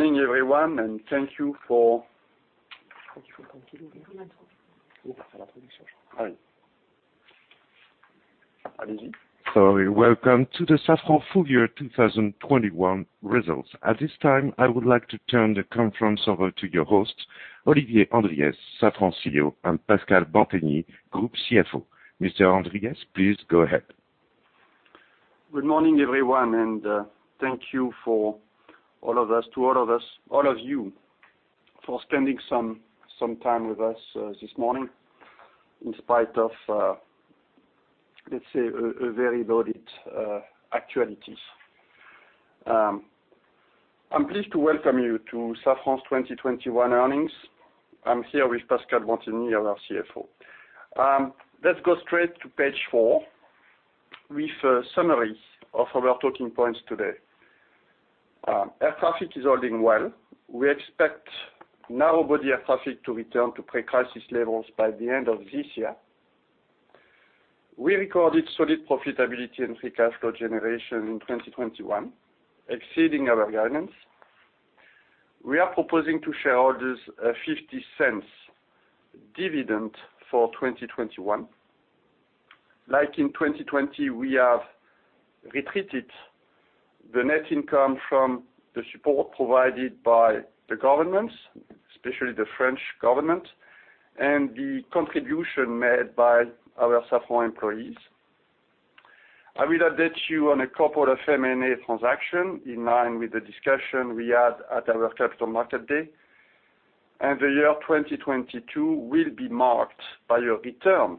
Morning, everyone, and thank you. Sorry. Welcome to the Safran Full Year 2021 Results. At this time, I would like to turn the conference over to your host, Olivier Andriès, Safran CEO, and Pascal Bantegnie, Group CFO. Mr. Andriès, please go ahead. Good morning, everyone, and thank you to all of you for spending some time with us this morning in spite of let's say a very loaded actualities. I'm pleased to welcome you to Safran's 2021 earnings. I'm here with Pascal Bantegnie, our CFO. Let's go straight to page four with a summary of our talking points today. Air traffic is holding well. We expect narrow body air traffic to return to pre-crisis levels by the end of this year. We recorded solid profitability and free cash flow generation in 2021, exceeding our guidance. We are proposing to shareholders a 0.50 dividend for 2021. Like in 2020, we have excluded the net income from the support provided by the governments, especially the French government, and the contribution made by our Safran employees. I will update you on a couple of M&A transactions in line with the discussion we had at our capital market day. The year 2022 will be marked by a return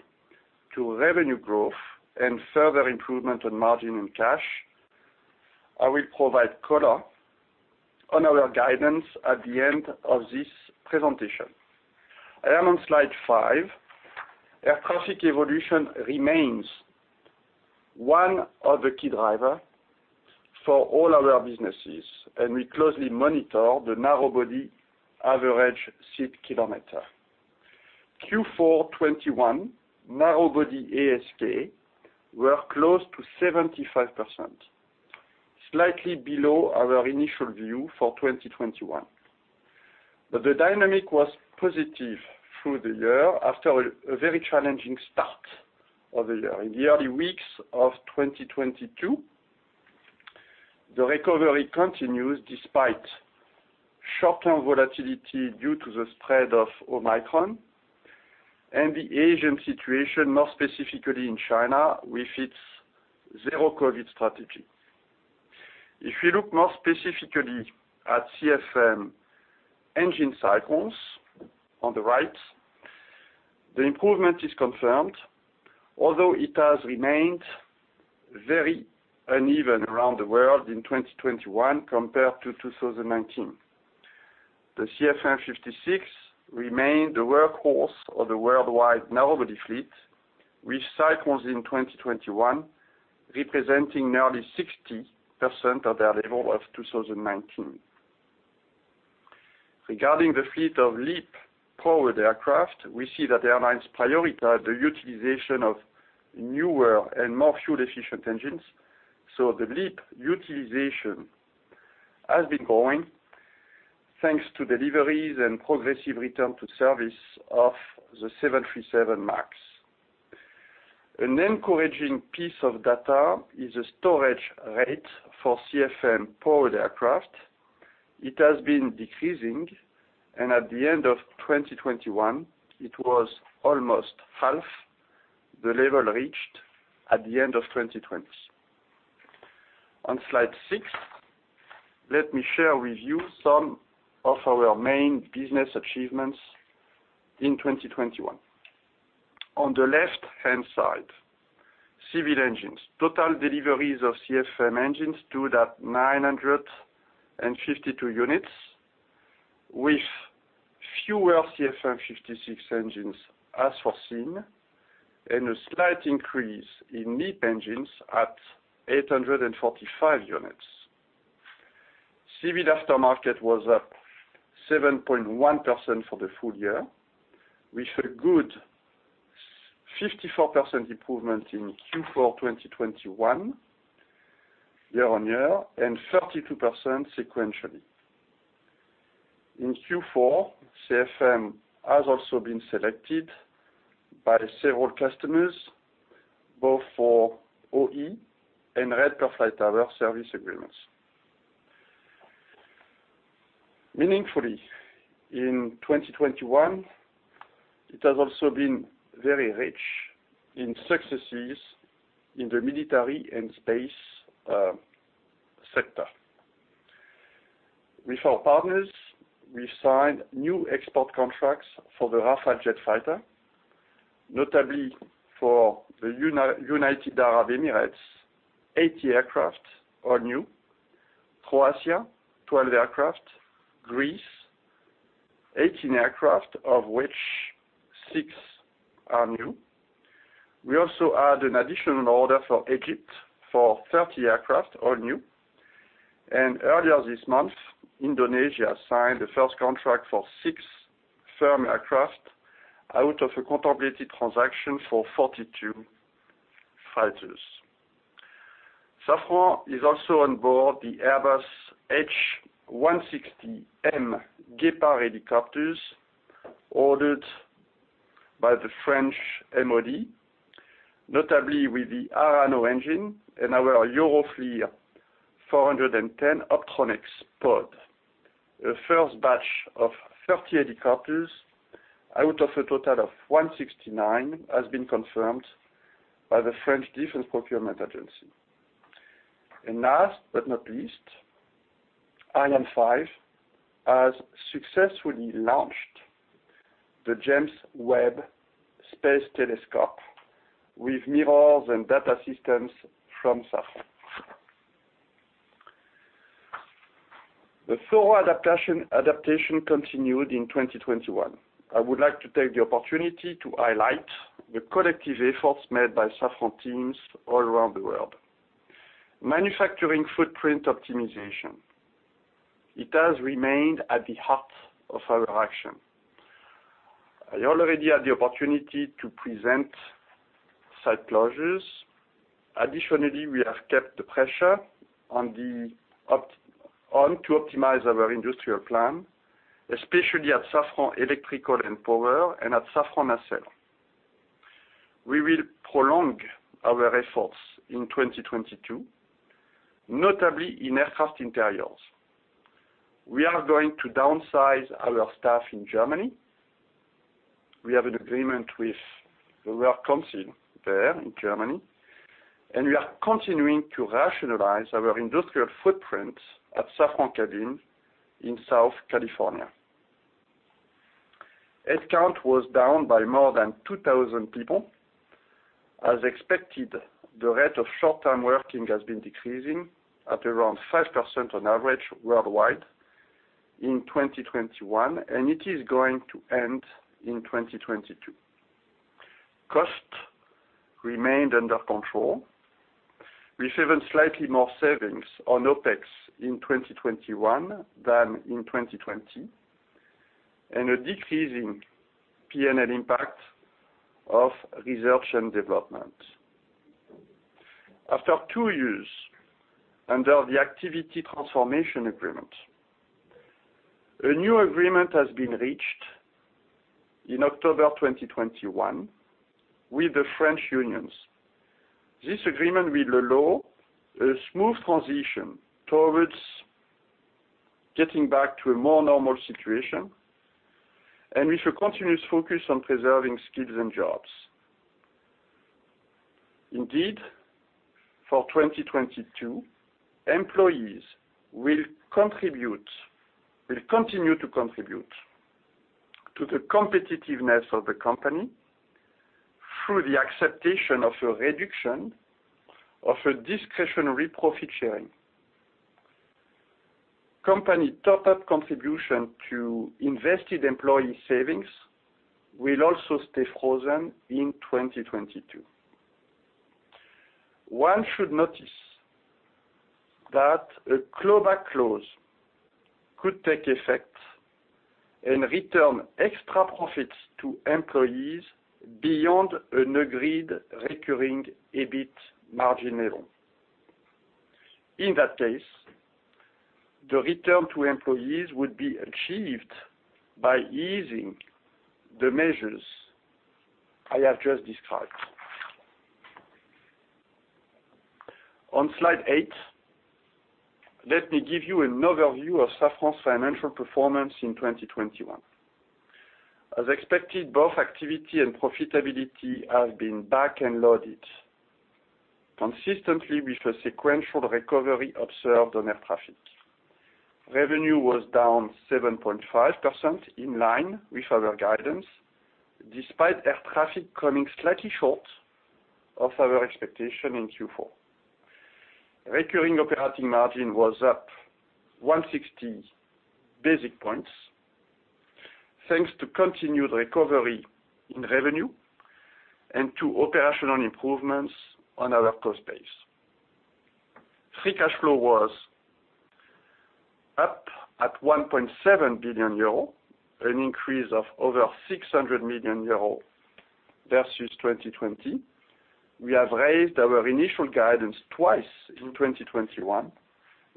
to revenue growth and further improvement on margin and cash. I will provide color on our guidance at the end of this presentation. I am on slide five. Air traffic evolution remains one of the key driver for all our businesses, and we closely monitor the narrow-body available seat kilometer. Q4 2021 narrow-body ASK were close to 75%, slightly below our initial view for 2021. The dynamic was positive through the year after a very challenging start of the year. In the early weeks of 2022, the recovery continues despite short-term volatility due to the spread of Omicron and the Asian situation, more specifically in China, with its zero COVID strategy. If you look more specifically at CFM engine cycles on the right, the improvement is confirmed, although it has remained very uneven around the world in 2021 compared to 2019. The CFM56 remained the workhorse of the worldwide narrow body fleet, with cycles in 2021 representing nearly 60% of their level of 2019. Regarding the fleet of LEAP powered aircraft, we see that the airlines prioritize the utilization of newer and more fuel-efficient engines, so the LEAP utilization has been growing, thanks to deliveries and progressive return to service of the 737 MAX. An encouraging piece of data is a storage rate for CFM powered aircraft. It has been decreasing, and at the end of 2021, it was almost half the level reached at the end of 2020. On slide six, let me share with you some of our main business achievements in 2021. On the left-hand side, civil engines. Total deliveries of CFM engines stood at 952 units, with fewer CFM56 engines as foreseen and a slight increase in LEAP engines at 845 units. Civil aftermarket was up 7.1% for the full year, with a good 54% improvement in Q4 2021 year-on-year and 32% sequentially. In Q4, CFM has also been selected by several customers, both for OE and Rate Per Flight Hour service agreements. Meaningfully, in 2021, it has also been very rich in successes in the military and space sector. With our partners, we signed new export contracts for the Rafale jet fighter, notably for the United Arab Emirates, 80 aircraft are new. Croatia, 12 aircraft. Greece, 18 aircraft, of which six are new. We also add an additional order for Egypt for 30 aircraft, all new. Earlier this month, Indonesia signed the first contract for six firm aircraft out of a contemplated transaction for 42 fighters. Safran is also on board the Airbus H160M Guépard helicopters ordered by the French MOD, notably with the Arrano engine and our Euroflir 410 optronics pod. The first batch of 30 helicopters out of a total of 169 has been confirmed by the French Defense Procurement Agency. Last but not least, Ariane 5 has successfully launched the James Webb Space Telescope with mirrors and data systems from Safran. The thorough adaptation continued in 2021. I would like to take the opportunity to highlight the collective efforts made by Safran teams all around the world. Manufacturing footprint optimization has remained at the heart of our action. I already had the opportunity to present site closures. Additionally, we have kept the pressure on to optimize our industrial plan, especially at Safran Electrical & Power and at Safran Nacelles. We will prolong our efforts in 2022, notably in aircraft interiors. We are going to downsize our staff in Germany. We have an agreement with the works council there in Germany, and we are continuing to rationalize our industrial footprint at Safran Cabin in Southern California. Headcount was down by more than 2,000 people. As expected, the rate of short-term working has been decreasing at around 5% on average worldwide in 2021, and it is going to end in 2022. Costs remained under control, with even slightly more savings on OpEx in 2021 than in 2020, and a decrease in PNL impact of research and development. After two years under the activity transformation agreement, a new agreement has been reached in October 2021 with the French unions. This agreement will allow a smooth transition towards getting back to a more normal situation and with a continuous focus on preserving skills and jobs. Indeed, for 2022, employees will continue to contribute to the competitiveness of the company through the acceptance of a reduction of a discretionary profit sharing. Company top-up contribution to invested employee savings will also stay frozen in 2022. One should notice that a clawback clause could take effect and return extra profits to employees beyond an agreed recurring EBIT margin level. In that case, the return to employees would be achieved by easing the measures I have just described. On slide eight, let me give you an overview of Safran's financial performance in 2021. As expected, both activity and profitability have been back-loaded consistently with a sequential recovery observed on air traffic. Revenue was down 7.5%, in line with our guidance, despite air traffic coming slightly short of our expectation in Q4. Recurring operating margin was up 160 basis points thanks to continued recovery in revenue and to operational improvements on our cost base. Free cash flow was up at 1.7 billion euro, an increase of over 600 million euro versus 2020. We have raised our initial guidance twice in 2021,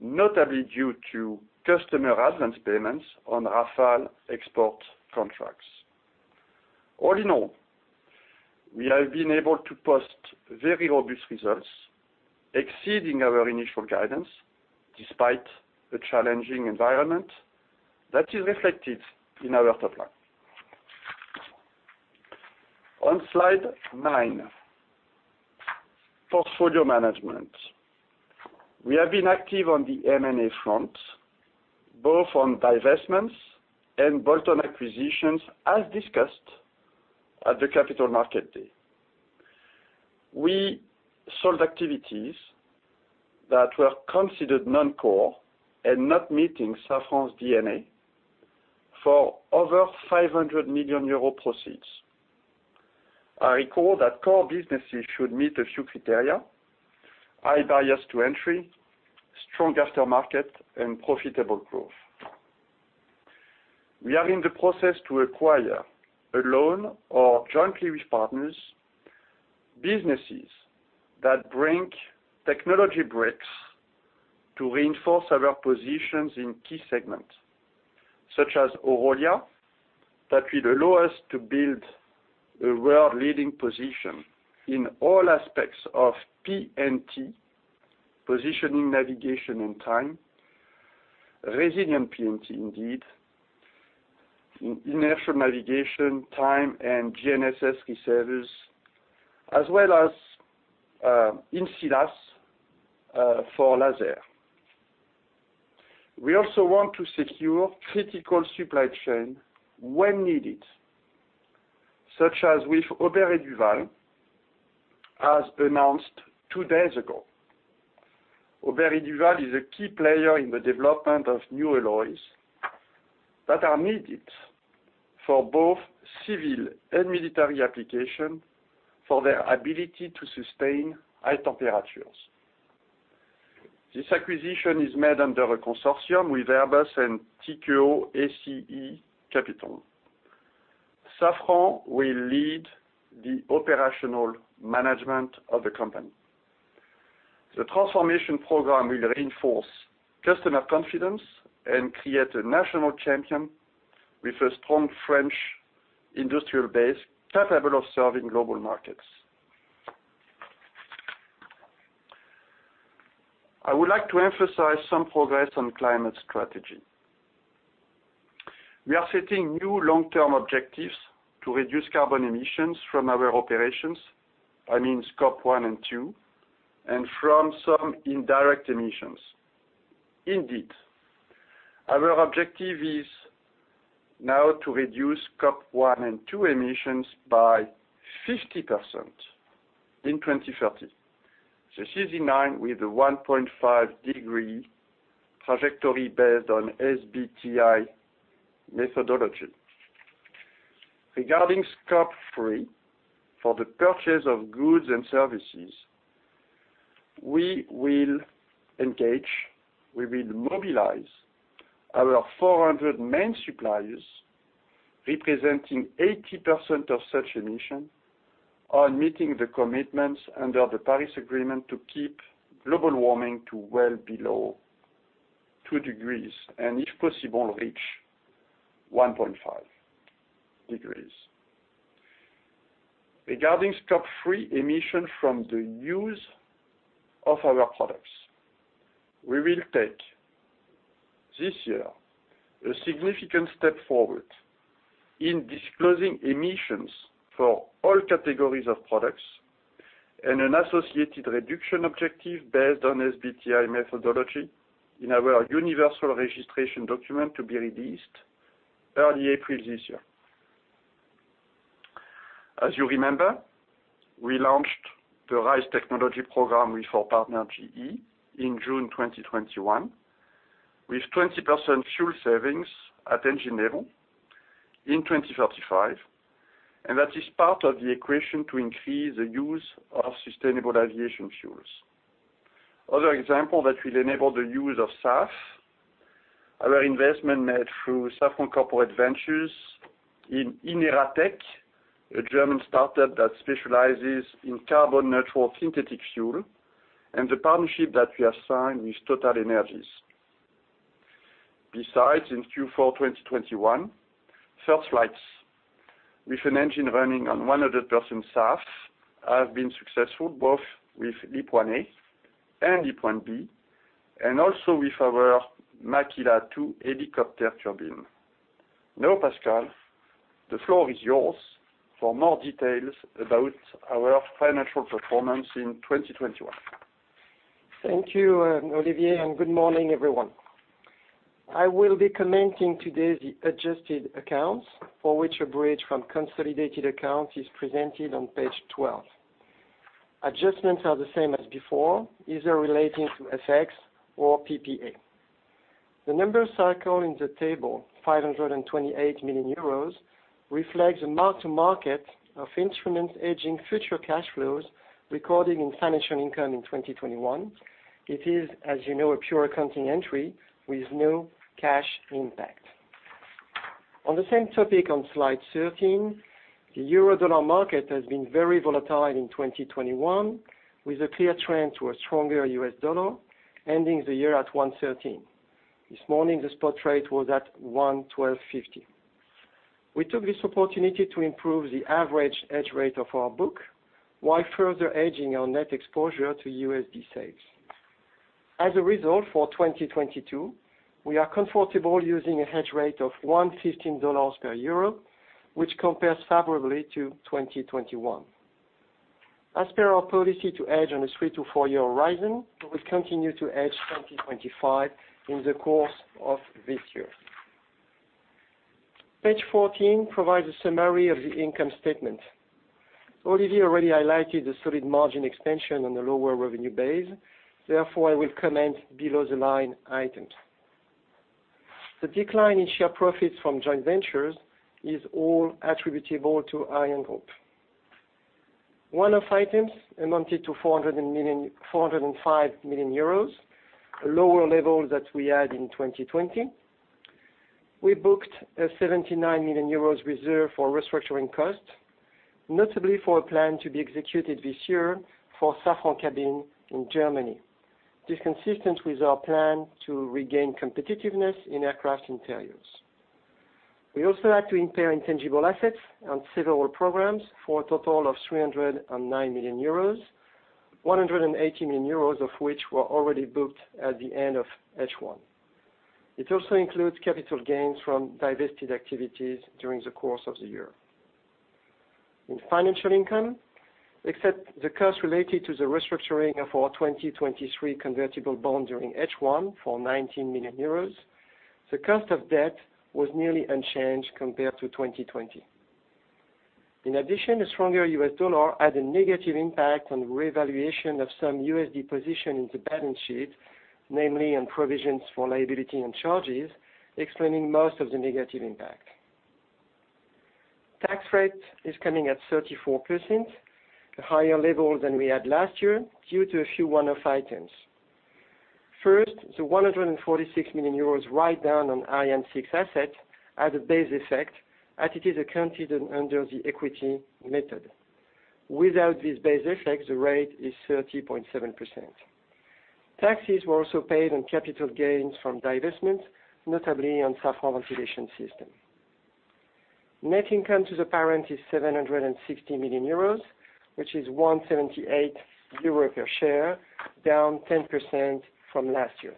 notably due to customer advance payments on Rafale export contracts. All in all, we have been able to post very robust results exceeding our initial guidance despite a challenging environment that is reflected in our top line. On slide nine, portfolio management. We have been active on the M&A front, both on divestments and bolt-on acquisitions, as discussed at the Capital Market Day. We sold activities that were considered non-core and not meeting Safran's DNA for over 500 million euro proceeds. I recall that core businesses should meet a few criteria, high barriers to entry, strong aftermarket, and profitable growth. We are in the process to acquire alone or jointly with partners, businesses that bring technology breakthroughs to reinforce our positions in key segments, such as Orolia that will allow us to build a world-leading position in all aspects of PNT, positioning, navigation, and time. Resilient PNT indeed in inertial navigation, time, and GNSS key servers, as well as in CILAS for laser. We also want to secure critical supply chain when needed, such as with Aubert & Duval, as announced two days ago. Aubert & Duval is a key player in the development of new alloys that are needed for both civil and military application for their ability to sustain high temperatures. This acquisition is made under a consortium with Airbus and Tikehau Ace Capital. Safran will lead the operational management of the company. The transformation program will reinforce customer confidence and create a national champion with a strong French industrial base capable of serving global markets. I would like to emphasize some progress on climate strategy. We are setting new long-term objectives to reduce carbon emissions from our operations, I mean, scope one and two, and from some indirect emissions. Indeed, our objective is now to reduce scope one and two emissions by 50% in 2030. This is in line with the 1.5 degree trajectory based on SBTi methodology. Regarding scope three, for the purchase of goods and services, we will mobilize our 400 main suppliers representing 80% of such emission, on meeting the commitments under the Paris Agreement to keep global warming to well below 2 degrees, and if possible, reach 1.5 degrees. Regarding Scope 3 emissions from the use of our products, we will take this year a significant step forward in disclosing emissions for all categories of products and an associated reduction objective based on SBTi methodology in our universal registration document to be released early April this year. As you remember, we launched the RISE technology program with our partner GE in June 2021, with 20% fuel savings at engine level in 2035, and that is part of the equation to increase the use of sustainable aviation fuels. Other example that will enable the use of SAF, our investment made through Safran Corporate Ventures in INERATEC, a German startup that specializes in carbon-neutral synthetic fuel, and the partnership that we have signed with TotalEnergies. Besides, in Q4 2021, first flights with an engine running on 100% SAF have been successful both with LEAP-1A and LEAP-1B, and also with our Makila 2 helicopter turbine. Now, Pascal, the floor is yours for more details about our financial performance in 2021. Thank you, Olivier, and good morning, everyone. I will be commenting today the adjusted accounts for which a bridge from consolidated accounts is presented on page 12. Adjustments are the same as before, either relating to FX or PPA. The number circled in the table, 528 million euros, reflects the mark to market of instrument hedging future cash flows recorded in financial income in 2021. It is, as you know, a pure accounting entry with no cash impact. On the same topic on slide 13, the euro dollar market has been very volatile in 2021, with a clear trend to a stronger US dollar, ending the year at 1.13. This morning, the spot rate was at 1.1250. We took this opportunity to improve the average hedge rate of our book, while further hedging our net exposure to USD sales. As a result, for 2022, we are comfortable using a hedge rate of $1.15 per euro, which compares favorably to 2021. As per our policy to hedge on a three-to-four-year horizon, we will continue to hedge 2025 in the course of this year. Page 14 provides a summary of the income statement. Olivier already highlighted the solid margin expansion on the lower revenue base. Therefore, I will comment below the line items. The decline in share profits from joint ventures is all attributable to ArianeGroup. One-off items amounted to 405 million euros, a lower level than we had in 2020. We booked a 79 million euros reserve for restructuring costs, notably for a plan to be executed this year for Safran Cabin in Germany. This is consistent with our plan to regain competitiveness in aircraft interiors. We also had to impair intangible assets on several programs for a total of 309 million euros, 180 million euros of which were already booked at the end of H1. It also includes capital gains from divested activities during the course of the year. In financial income, except the cost related to the restructuring of our 2023 convertible bond during H1 for 19 million euros, the cost of debt was nearly unchanged compared to 2020. In addition, a stronger US dollar had a negative impact on the revaluation of some USD position in the balance sheet, namely on provisions for liability and charges, explaining most of the negative impact. Tax rate is coming at 34%, a higher level than we had last year due to a few one-off items. First, the 146 million euros write down on Ariane 6 asset had a base effect, as it is accounted under the equity method. Without this base effect, the rate is 30.7%. Taxes were also paid on capital gains from divestments, notably on Safran Ventilation Systems. Net income to the parent is 760 million euros, which is 1.78 euro per share, down 10% from last year.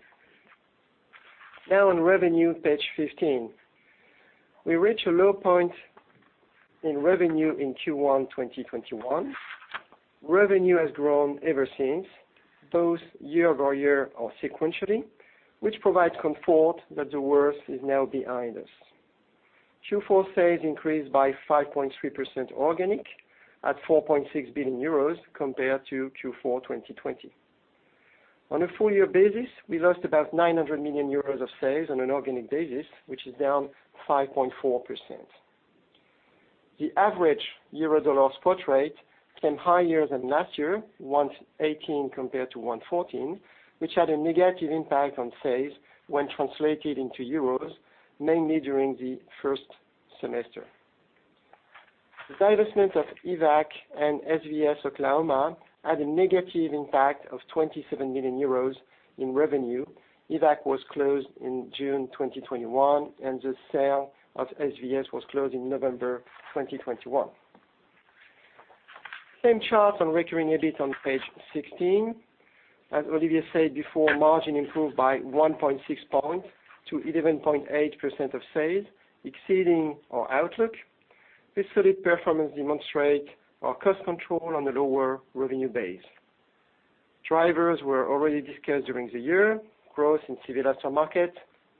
Now on revenue, page 15. We reached a low point in revenue in Q1 2021. Revenue has grown ever since, both year-over-year or sequentially, which provides comfort that the worst is now behind us. Q4 sales increased by 5.3% organic at 4.6 billion euros compared to Q4 2020. On a full year basis, we lost about 900 million euros of sales on an organic basis, which is down 5.4%. The average euro-dollar spot rate came higher than last year, 1.18 compared to 1.14, which had a negative impact on sales when translated into euros, mainly during the first semester. The divestment of EVAC and SVS Oklahoma had a negative impact of 27 million euros in revenue. EVAC was closed in June 2021, and the sale of SVS was closed in November 2021. Same chart on recurring EBIT on page 16. As Olivier said before, margin improved by 1.6 points to 11.8% of sales, exceeding our outlook. This solid performance demonstrate our cost control on a lower revenue base. Drivers were already discussed during the year. Growth in civil aftermarket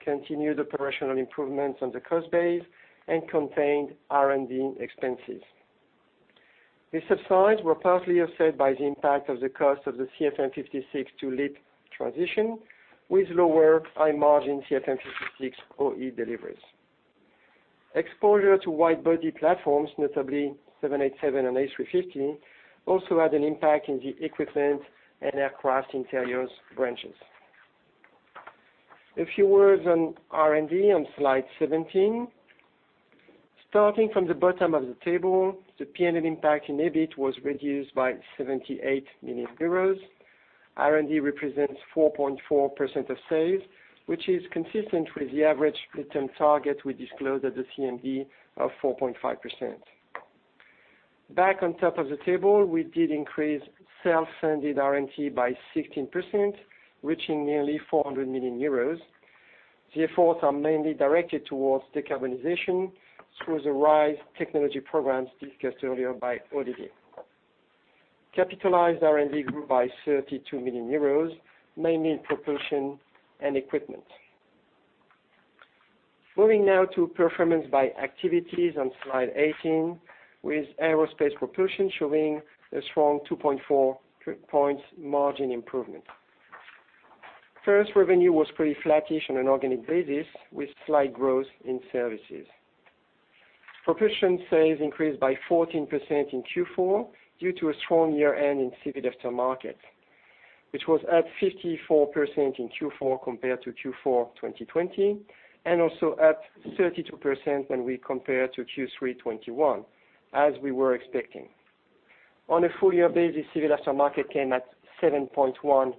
continued operational improvements on the cost base and contained R&D expenses. These upsides were partly offset by the impact of the cost of the CFM56 to LEAP transition, with lower high-margin CFM56 OE deliveries. Exposure to wide body platforms, notably 787 and A350, also had an impact in the equipment and aircraft interiors branches. A few words on R&D on slide 17. Starting from the bottom of the table, the P&L impact in EBIT was reduced by 78 million euros. R&D represents 4.4% of sales, which is consistent with the average return target we disclosed at the CMD of 4.5%. Back on top of the table, we did increase self-funded R&D by 16%, reaching nearly 400 million euros. The efforts are mainly directed towards decarbonization through the RISE technology programs discussed earlier by Olivier. Capitalized R&D grew by 32 million euros, mainly in propulsion and equipment. Moving now to performance by activities on slide 18, with aerospace propulsion showing a strong 2.4 points margin improvement. First, revenue was pretty flattish on an organic basis, with slight growth in services. Propulsion sales increased by 14% in Q4 due to a strong year-end in civil aftermarket, which was up 54% in Q4 compared to Q4 2020, and also up 32% when we compare to Q3 2021, as we were expecting. On a full year basis, civil aftermarket came at 7.1%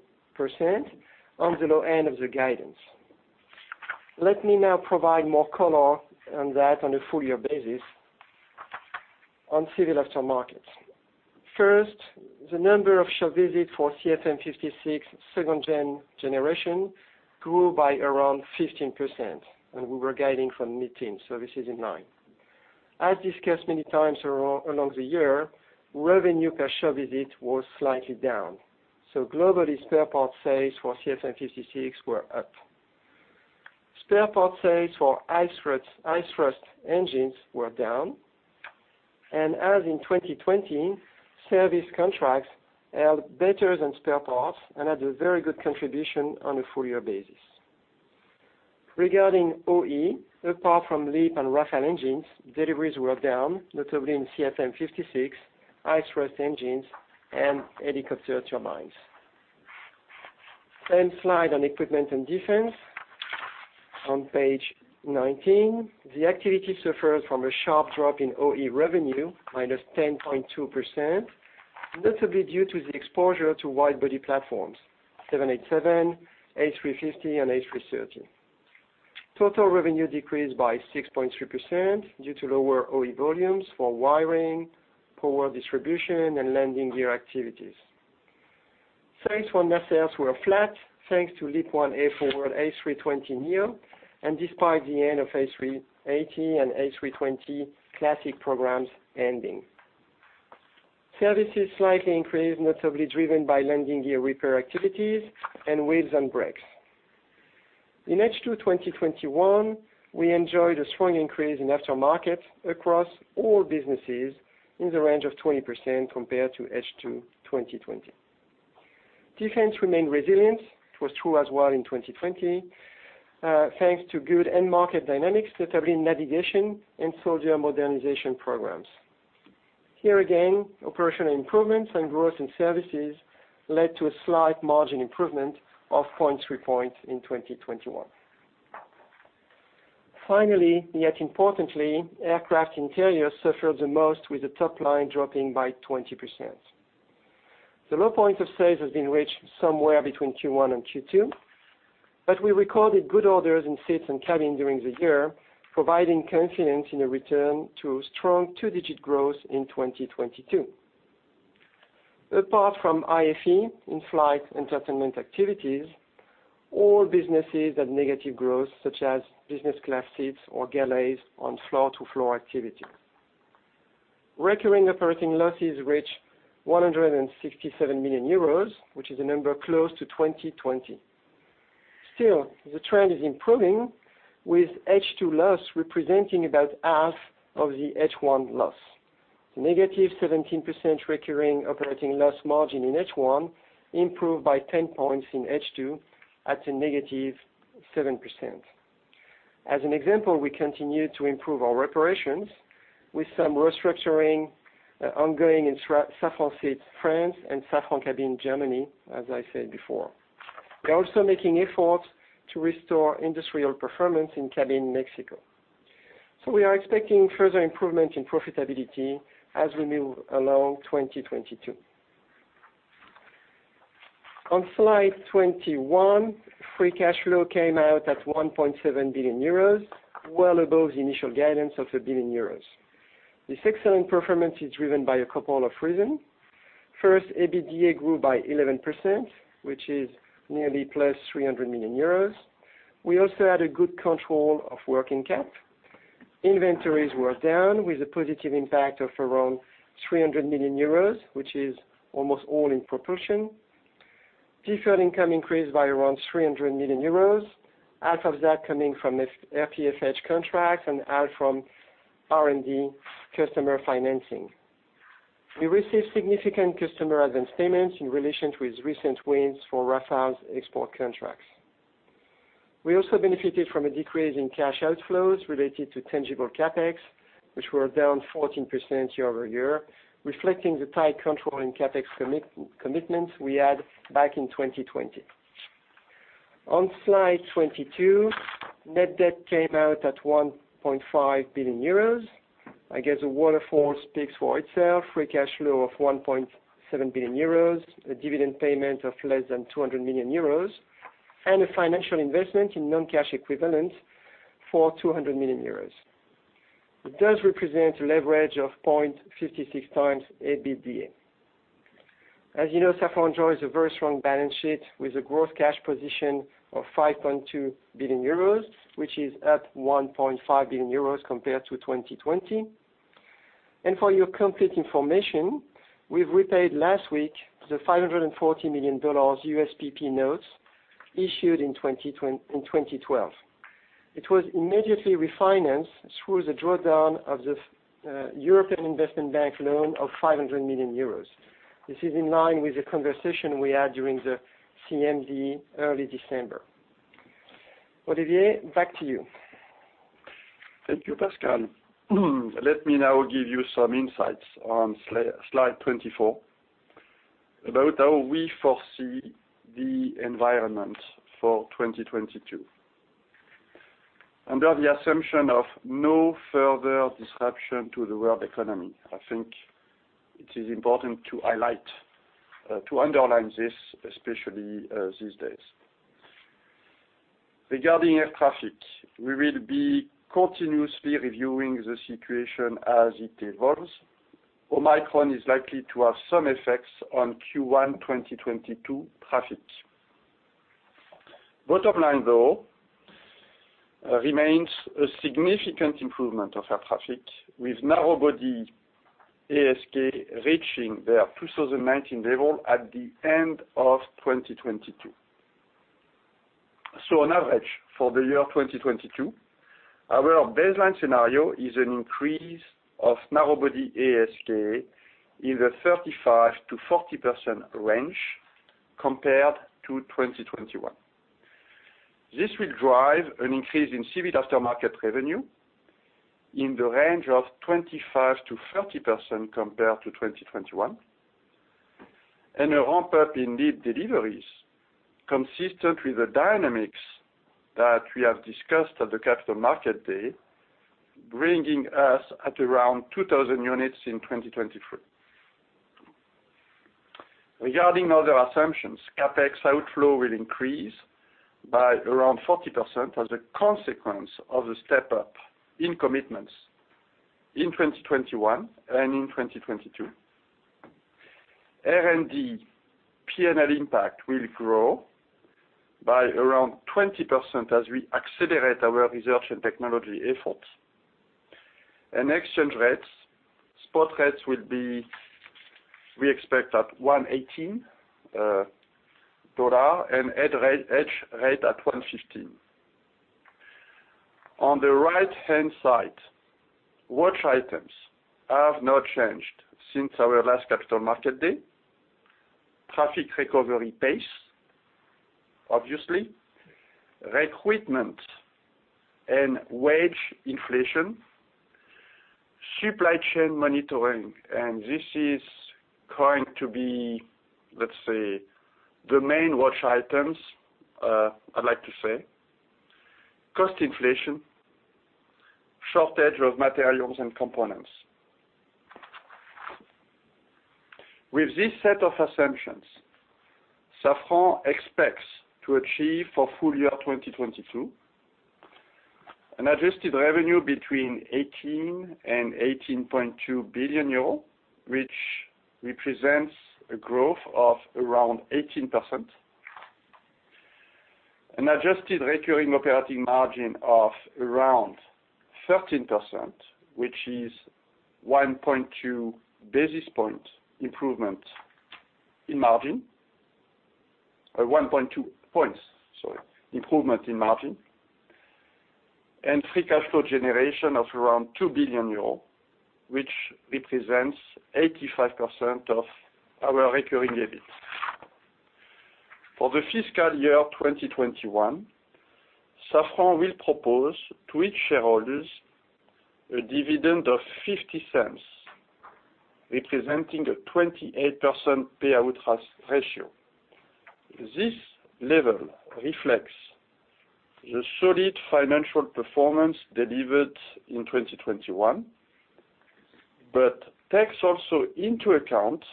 on the low end of the guidance. Let me now provide more color on that on a full year basis on civil aftermarket. First, the number of shop visits for CFM56 second generation grew by around 15%, and we were guiding for mid-teens, so this is in line. As discussed many times along the year, revenue per shop visit was slightly down, so globally, spare parts sales for CFM56 were up. Spare parts sales for IAE engines were down. As in 2020, service contracts held better than spare parts and had a very good contribution on a full year basis. Regarding OE, apart from LEAP and Rafale engines, deliveries were down, notably in CFM56, IAE engines, and helicopter turbines. Same slide on Equipment & Defense on page 19. The activity suffers from a sharp drop in OE revenue, -10.2%, notably due to the exposure to wide-body platforms, 787, A350, and A330. Total revenue decreased by 6.3% due to lower OE volumes for wiring, power distribution, and landing gear activities. Sales from nacelles were flat, thanks to LEAP-1A for A320neo and despite the end of A380 and A320 classic programs ending. Services slightly increased, notably driven by landing gear repair activities and wheels and brakes. In H2 2021, we enjoyed a strong increase in aftermarket across all businesses in the range of 20% compared to H2 2020. Defense remained resilient. It was true as well in 2020, thanks to good end market dynamics, notably in navigation and soldier modernization programs. Here again, operational improvements and growth in services led to a slight margin improvement of 0.3 point in 2021. Finally, yet importantly, Aircraft Interior suffered the most, with the top line dropping by 20%. The low point of sales has been reached somewhere between Q1 and Q2, but we recorded good orders in seats and cabin during the year, providing confidence in a return to strong two-digit growth in 2022. Apart from IFE, in-flight entertainment activities, all businesses had negative growth, such as business class seats or galleys on floor-to-floor activity. Recurring operating losses reached 167 million euros, which is a number close to 2020. Still, the trend is improving, with H2 loss representing about half of the H1 loss. -17% recurring operating loss margin in H1 improved by 10 points in H2 at a -7%. As an example, we continue to improve our operations with some restructuring ongoing in Safran Seats, France, and Safran Cabin, Germany, as I said before. We're also making efforts to restore industrial performance in Cabin Mexico. We are expecting further improvement in profitability as we move along 2022. On slide 21, free cash flow came out at 1.7 billion euros, well above the initial guidance of 1 billion euros. This excellent performance is driven by a couple of reasons. First, EBITDA grew by 11%, which is nearly EUR+300 million. We also had a good control of working capital. Inventories were down with a positive impact of around 300 million euros, which is almost all in propulsion. Deferred income increased by around 300 million euros, half of that coming from RPFH contracts and half from R&D customer financing. We received significant customer advancements in relation with recent wins for Rafale's export contracts. We also benefited from a decrease in cash outflows related to tangible CapEx, which were down 14% year-over-year, reflecting the tight control in CapEx commitments we had back in 2020. On slide 22, net debt came out at 1.5 billion euros. I guess the waterfall speaks for itself. Free cash flow of 1.7 billion euros, a dividend payment of less than 200 million euros, and a financial investment in cash equivalents for 200 million euros. It does represent a leverage of 0.56x EBITDA. As you know, Safran enjoys a very strong balance sheet with a gross cash position of 5.2 billion euros, which is up 1.5 billion euros compared to 2020. For your complete information, we've repaid last week the $540 million USPP notes issued in 2012. It was immediately refinanced through the drawdown of the European Investment Bank loan of 500 million euros. This is in line with the conversation we had during the CMD early December. Olivier, back to you. Thank you, Pascal. Let me now give you some insights on slide 24 about how we foresee the environment for 2022. Under the assumption of no further disruption to the world economy, I think it is important to highlight to underline this, especially these days. Regarding air traffic, we will be continuously reviewing the situation as it evolves. Omicron is likely to have some effects on Q1 2022 traffic. Bottom line, though, remains a significant improvement of air traffic, with narrow body ASK reaching their 2019 level at the end of 2022. On average, for the year 2022, our baseline scenario is an increase of narrow body ASK in the 35%-40% range compared to 2021. This will drive an increase in civil aftermarket revenue in the range of 25%-30% compared to 2021. A ramp-up in LEAP deliveries consistent with the dynamics that we have discussed at the Capital Market Day, bringing us at around 2,000 units in 2023. Regarding other assumptions, CapEx outflow will increase by around 40% as a consequence of the step-up in commitments in 2021 and in 2022. R&D P&L impact will grow by around 20% as we accelerate our research and technology efforts. Exchange rates, spot rates will be, we expect, at $1.18 and hedge rate at $1.15. On the right-hand side, watch items have not changed since our last Capital Market Day. Traffic recovery pace, obviously. Recruitment and wage inflation, supply chain monitoring, and this is going to be, let's say, the main watch items, I'd like to say. Cost inflation, shortage of materials and components. With this set of assumptions, Safran expects to achieve for full year 2022 an adjusted revenue between 18 billion and 18.2 billion euro, which represents a growth of around 18%. An adjusted recurring operating margin of around 13%, which is 1.2 points improvement in margin. Free cash flow generation of around 2 billion euros, which represents 85% of our recurring EBIT. For the fiscal year 2021, Safran will propose to each shareholder a dividend of 0.50, representing a 28% payout ratio. This level reflects the solid financial performance delivered in 2021, but takes also into account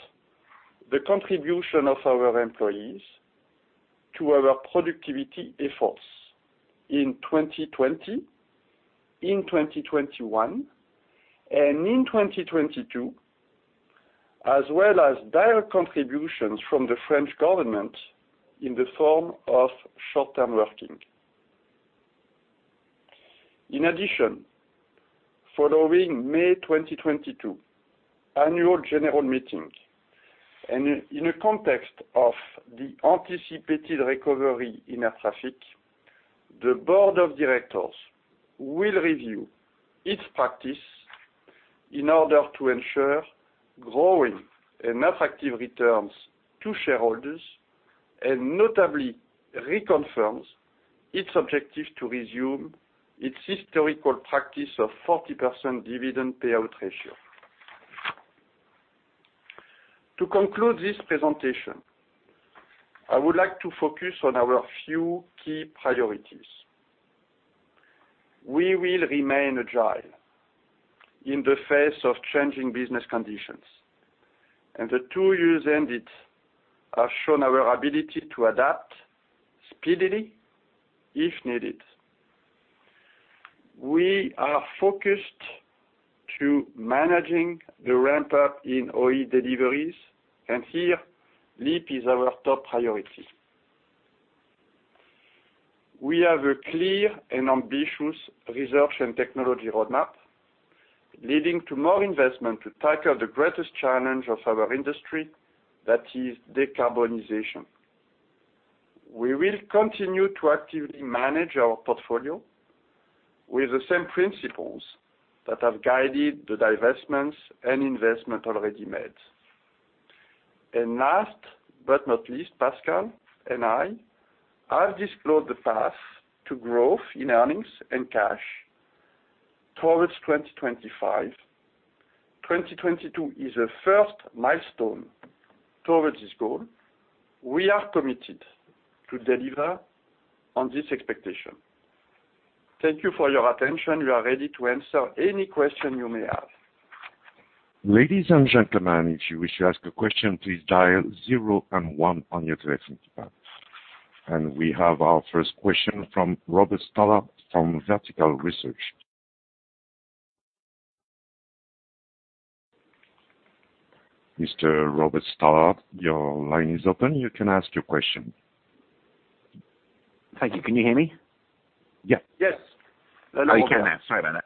the contribution of our employees to our productivity efforts in 2020, in 2021, and in 2022, as well as direct contributions from the French government in the form of short-term working. In addition, following May 2022 Annual General Meeting, and in the context of the anticipated recovery in air traffic, the board of directors will review its practice in order to ensure growing and attractive returns to shareholders, and notably reconfirms its objective to resume its historical practice of 40% dividend payout ratio. To conclude this presentation, I would like to focus on our few key priorities. We will remain agile in the face of changing business conditions, and the two years ended have shown our ability to adapt speedily if needed. We are focused to managing the ramp-up in OE deliveries, and here, LEAP is our top priority. We have a clear and ambitious research and technology roadmap leading to more investment to tackle the greatest challenge of our industry, that is decarbonization. We will continue to actively manage our portfolio with the same principles that have guided the divestments and investment already made. Last but not least, Pascal and I have disclosed the path to growth in earnings and cash towards 2025. 2022 is the first milestone towards this goal. We are committed to deliver on this expectation. Thank you for your attention. We are ready to answer any question you may have. Ladies and gentlemen, if you wish to ask a question, please dial zero and one on your telephone keypad. We have our first question from Robert Stallard from Vertical Research. Mr. Robert Stallard, your line is open. You can ask your question. Thank you. Can you hear me? Yeah. Yes. You can. Sorry about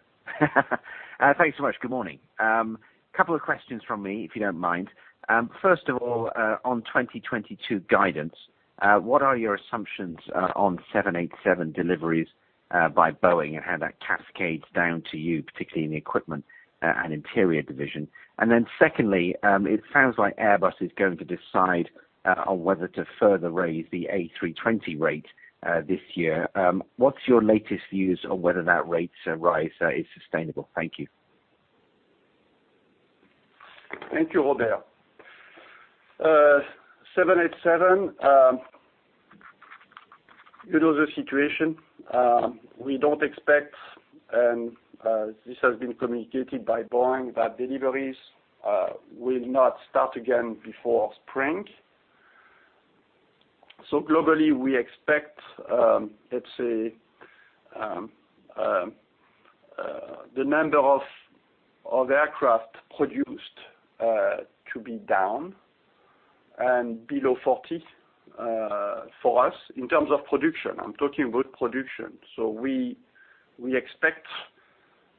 that. Thanks so much. Good morning. Couple of questions from me, if you don't mind. First of all, on 2022 guidance, what are your assumptions on 787 deliveries by Boeing and how that cascades down to you, particularly in the equipment and interior division? Then secondly, it sounds like Airbus is going to decide on whether to further raise the A320 rate this year. What's your latest views on whether that rate rise is sustainable? Thank you. Thank you, Robert. 787, you know the situation. We don't expect, and this has been communicated by Boeing that deliveries will not start again before spring. Globally, we expect, let's say, the number of aircraft produced to be down and below 40 for us in terms of production. I'm talking about production. We expect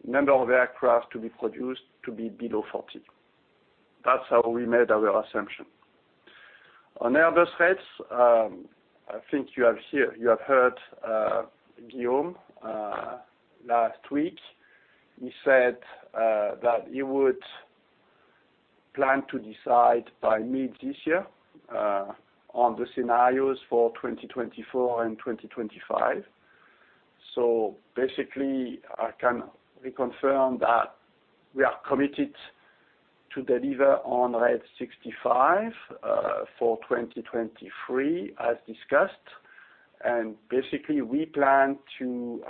number of aircraft to be produced to be below 40. That's how we made our assumption. On Airbus rates, I think you have heard Guillaume last week. He said that he would plan to decide by mid this year on the scenarios for 2024 and 2025. Basically, I can reconfirm that we are committed to deliver on rate 65 for 2023, as discussed. Basically, we plan to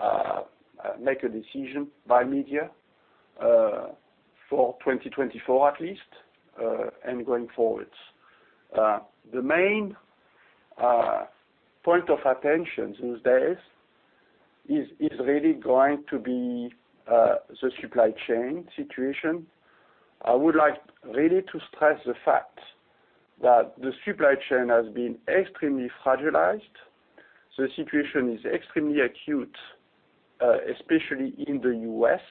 make a decision by mid-year for 2024 at least, and going forward. The main point of attention these days is really going to be the supply chain situation. I would like really to stress the fact that the supply chain has been extremely fragilized. The situation is extremely acute, especially in the U.S.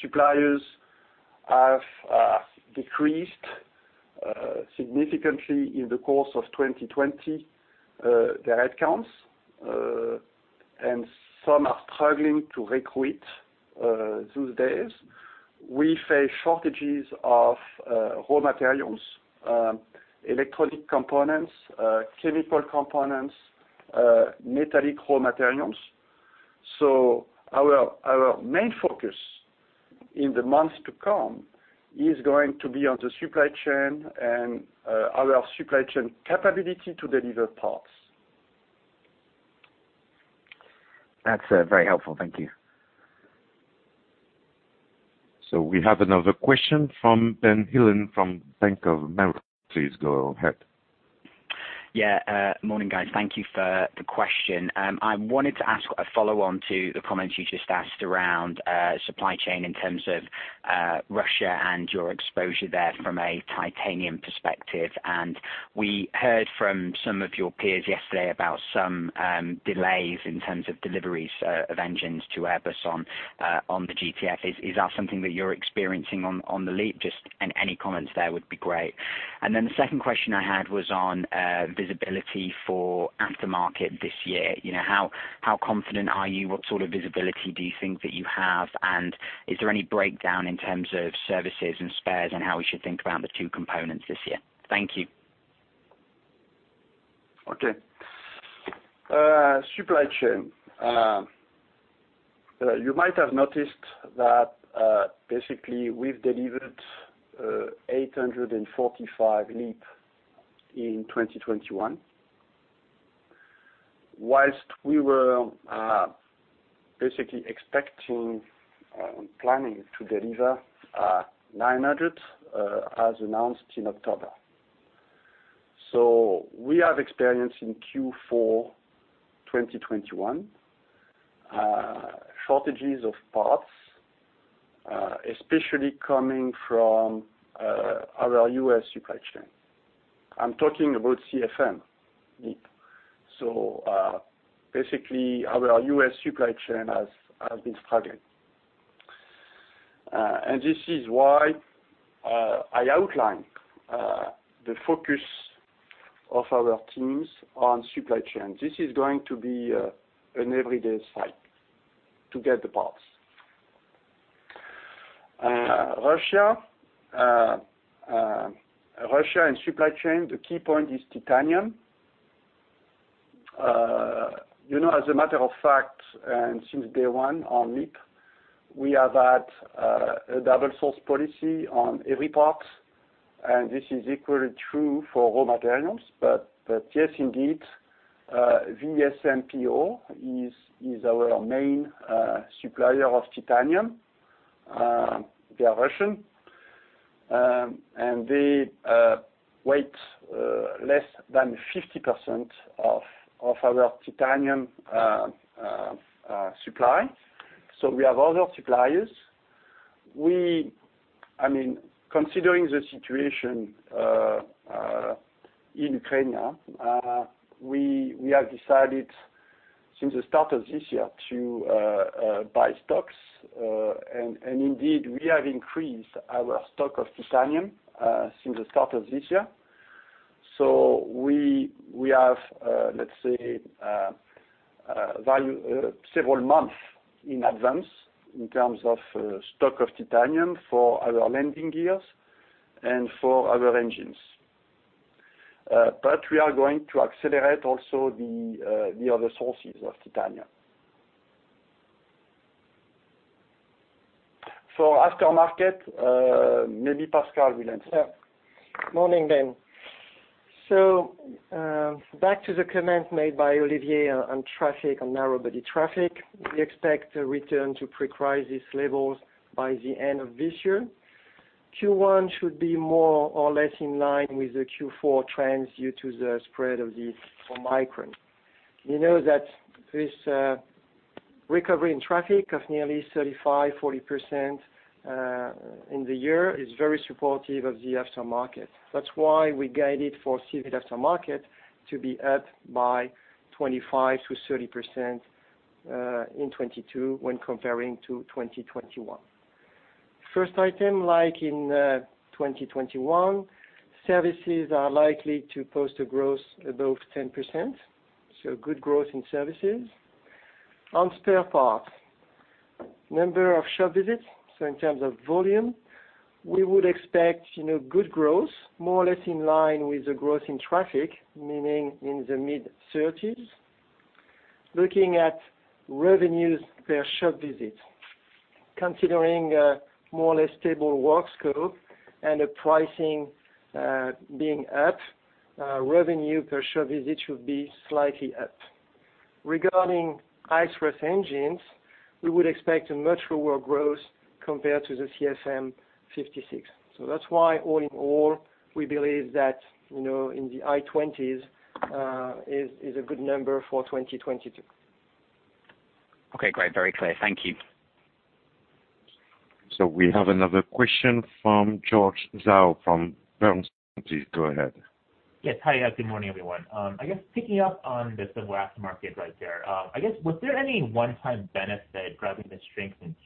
Suppliers have decreased significantly in the course of 2020 their headcounts, and some are struggling to recruit these days. We face shortages of raw materials, electronic components, chemical components, metallic raw materials. Our main focus in the months to come is going to be on the supply chain and our supply chain capability to deliver parts. That's very helpful. Thank you. We have another question from Ben Heelan from Bank of America. Please go ahead. Yeah. Morning, guys. Thank you for the question. I wanted to ask a follow-on to the comments you just asked around supply chain in terms of Russia and your exposure there from a titanium perspective. We heard from some of your peers yesterday about some delays in terms of deliveries of engines to Airbus on the GTF. Is that something that you're experiencing on the LEAP? Any comments there would be great. The second question I had was on visibility for aftermarket this year. You know, how confident are you? What sort of visibility do you think that you have? Is there any breakdown in terms of services and spares and how we should think about the two components this year? Thank you. Okay. Supply chain. You might have noticed that, basically, we've delivered 845 LEAP in 2021, whilst we were basically expecting and planning to deliver 900, as announced in October. We have experienced in Q4 2021 shortages of parts, especially coming from our U.S. supply chain. I'm talking about CFM LEAP. Basically, our U.S. supply chain has been struggling. This is why I outlined the focus of our teams on supply chain. This is going to be an everyday fight to get the parts. Russia and supply chain, the key point is titanium. You know, as a matter of fact, and since day one on LEAP, we have had a double source policy on every parts, and this is equally true for raw materials. Yes, indeed, VSMPO is our main supplier of titanium. They are Russian, and they weigh less than 50% of our titanium supply. We have other suppliers. I mean, considering the situation in Ukraine now, we have decided since the start of this year to buy stocks. Indeed, we have increased our stock of titanium since the start of this year. We have several months in advance in terms of stock of titanium for our landing gears and for our engines. We are going to accelerate also the other sources of titanium. For aftermarket, maybe Pascal will answer. Yeah. Morning, Ben. Back to the comment made by Olivier on traffic, on narrow body traffic, we expect a return to pre-crisis levels by the end of this year. Q1 should be more or less in line with the Q4 trends due to the spread of the Omicron. We know that this recovery in traffic of nearly 35%-40% in the year is very supportive of the aftermarket. That's why we guided for civil aftermarket to be up by 25%-30% in 2022 when comparing to 2021. First item, like in 2021, services are likely to post a growth above 10%, so good growth in services. On spare parts, number of shop visits, so in terms of volume, we would expect, you know, good growth, more or less in line with the growth in traffic, meaning in the mid-30%. Looking at revenues per shop visit, considering a more or less stable work scope and the pricing being up, revenue per shop visit should be slightly up. Regarding IAE's engines, we would expect a much lower growth compared to the CFM56. That's why, all in all, we believe that, you know, in the high 20% is a good number for 2022. Okay, great. Very clear. Thank you. We have another question from George Zhao from Bernstein. Please go ahead. Yes. Hi. Good morning, everyone. I guess picking up on the civil aftermarket right there, I guess, was there any one-time benefit driving the strength in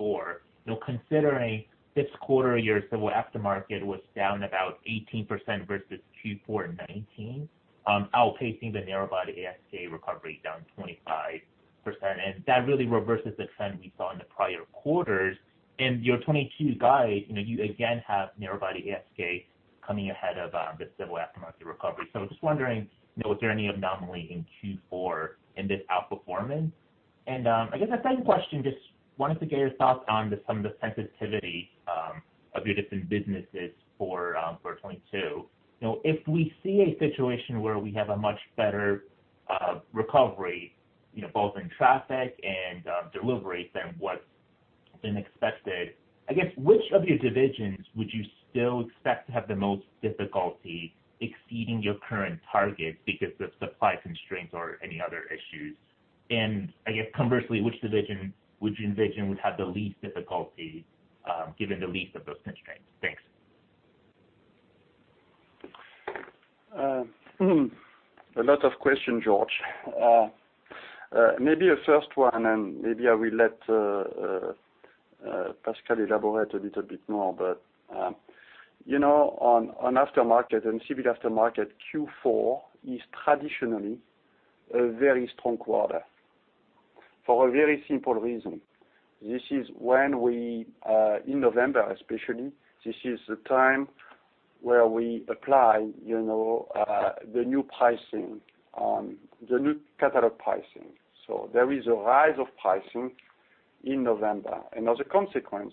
Q4? You know, considering this quarter, your civil aftermarket was down about 18% versus Q4 in 2019, outpacing the narrow body ASK recovery down 25%. That really reverses the trend we saw in the prior quarters. In your 2022 guide, you know, you again have narrow body ASK coming ahead of the civil aftermarket recovery. I'm just wondering, you know, was there any anomaly in Q4 in this outperformance? I guess the second question, just wanted to get your thoughts on just some of the sensitivity of your different businesses for 2022. You know, if we see a situation where we have a much better recovery, you know, both in traffic and deliveries than what's been expected, I guess, which of your divisions would you still expect to have the most difficulty exceeding your current targets because of supply constraints or any other issues? I guess conversely, which division would have the least difficulty given the least of those constraints? Thanks. A lot of questions, George. Maybe the first one. Maybe I will let Pascal elaborate a little bit more. On aftermarket, on civil aftermarket, Q4 is traditionally a very strong quarter for a very simple reason. This is when, in November especially, we apply the new pricing on the new catalog pricing. There is a rise of pricing in November. As a consequence,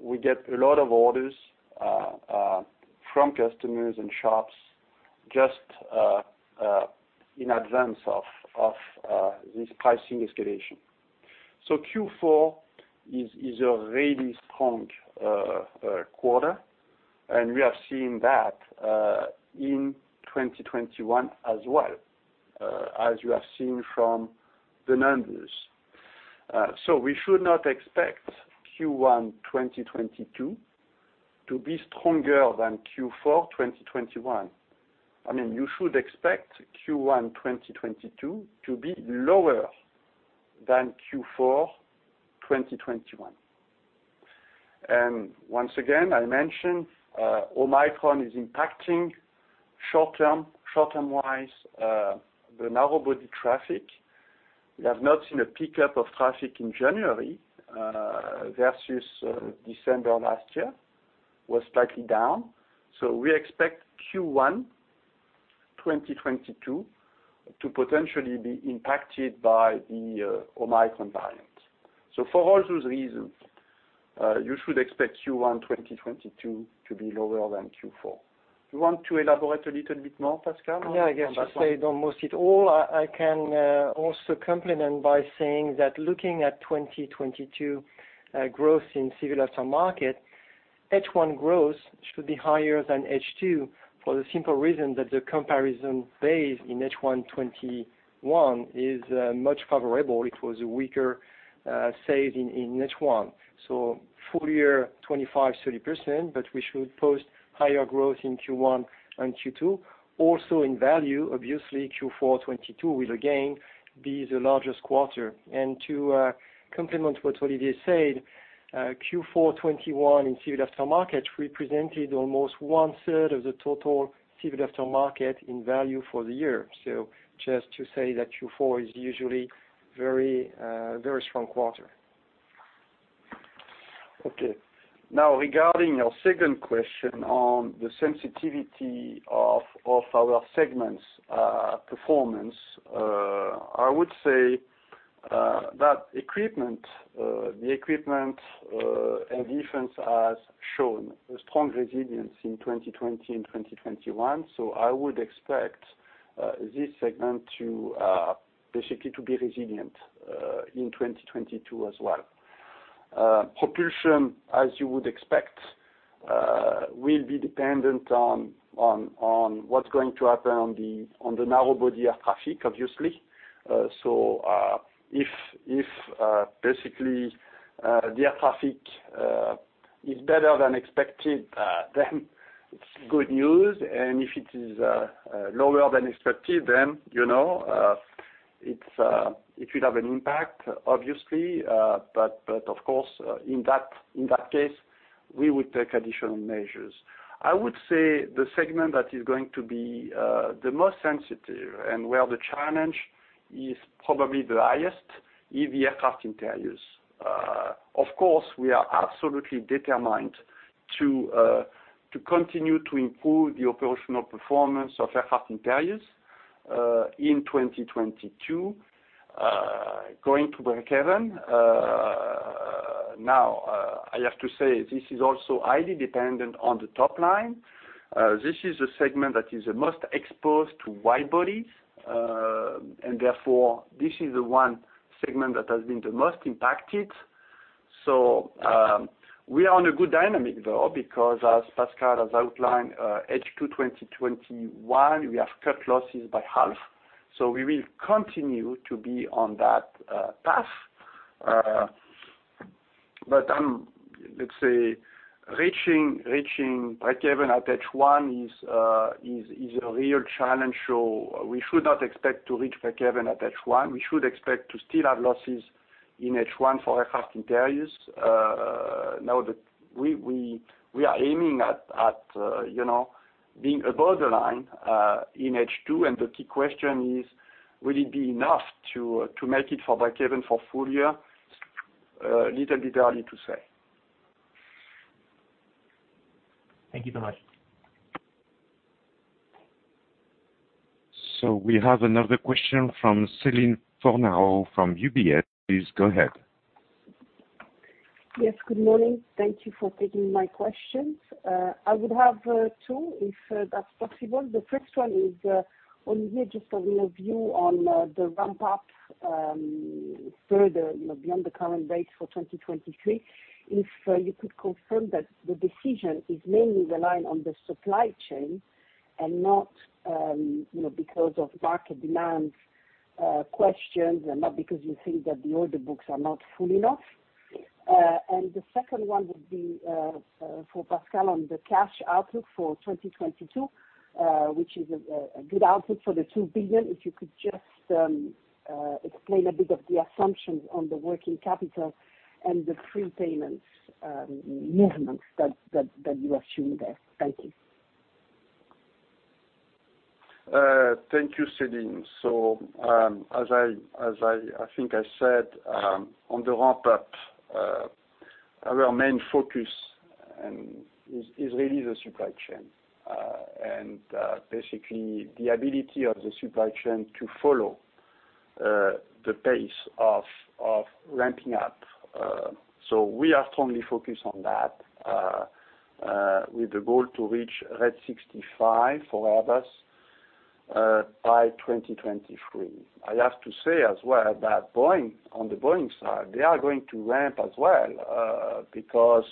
we get a lot of orders from customers and shops just in advance of this pricing escalation. Q4 is a really strong quarter, and we have seen that in 2021 as well as you have seen from the numbers. We should not expect Q1 2022 to be stronger than Q4 2021. I mean, you should expect Q1 2022 to be lower than Q4 2021. Once again, I mention, Omicron is impacting short-term-wise the narrow body traffic. We have not seen a pickup of traffic in January versus December last year. It was slightly down. We expect Q1 2022 to potentially be impacted by the Omicron variant. For all those reasons, you should expect Q1 2022 to be lower than Q4. You want to elaborate a little bit more, Pascal? Yeah. I guess you said almost all of it. I can also complement by saying that looking at 2022, growth in civil aftermarket. H1 growth should be higher than H2 for the simple reason that the comparison base in H1 2021 is much more favorable. It was weaker as in H1. Full year 25%-30%, but we should post higher growth in Q1 and Q2. Also in value, obviously, Q4 2022 will again be the largest quarter. To complement what Olivier said, Q4 2021 in civil aftermarket represented almost one-third of the total civil aftermarket in value for the year. Just to say that Q4 is usually very strong quarter. Okay. Now, regarding your second question on the sensitivity of our segment's performance, I would say that the equipment and defense has shown a strong resilience in 2020 and 2021. I would expect this segment to basically be resilient in 2022 as well. Propulsion, as you would expect, will be dependent on what's going to happen on the narrow body air traffic, obviously. If basically the air traffic is better than expected, then it's good news. If it is lower than expected, then, you know, it will have an impact obviously. Of course, in that case, we would take additional measures. I would say the segment that is going to be the most sensitive and where the challenge is probably the highest is the Aircraft Interiors. Of course, we are absolutely determined to continue to improve the operational performance of Aircraft Interiors in 2022, going to breakeven. Now, I have to say this is also highly dependent on the top line. This is a segment that is the most exposed to wide bodies, and therefore, this is the one segment that has been the most impacted. We are on a good dynamic though, because as Pascal has outlined, H2 2021, we have cut losses by half, so we will continue to be on that path. But, let's say reaching breakeven at H1 is a real challenge. We should not expect to reach breakeven at H1. We should expect to still have losses in H1 for Aircraft Interiors. Now that we are aiming at, you know, being above the line in H2, and the key question is, will it be enough to make it for breakeven for full year? A little bit early to say. Thank you very much. We have another question from Celine Fornaro from UBS. Please go ahead. Yes, good morning. Thank you for taking my questions. I would have two, if that's possible. The first one is, Olivier, just giving a view on the ramp up further, you know, beyond the current base for 2023. If you could confirm that the decision is mainly relying on the supply chain and not, you know, because of market demand questions, and not because you think that the order books are not full enough. The second one would be for Pascal on the cash outlook for 2022, which is a good outlook for the 2 billion. If you could just explain a bit of the assumptions on the working capital and the prepayments movements that you assume there. Thank you. Thank you, Celine. As I think I said on the ramp up, our main focus is really the supply chain. Basically the ability of the supply chain to follow the pace of ramping up. We are strongly focused on that with the goal to reach rate 65 for Airbus by 2023. I have to say as well that Boeing, on the Boeing side, they are going to ramp as well, because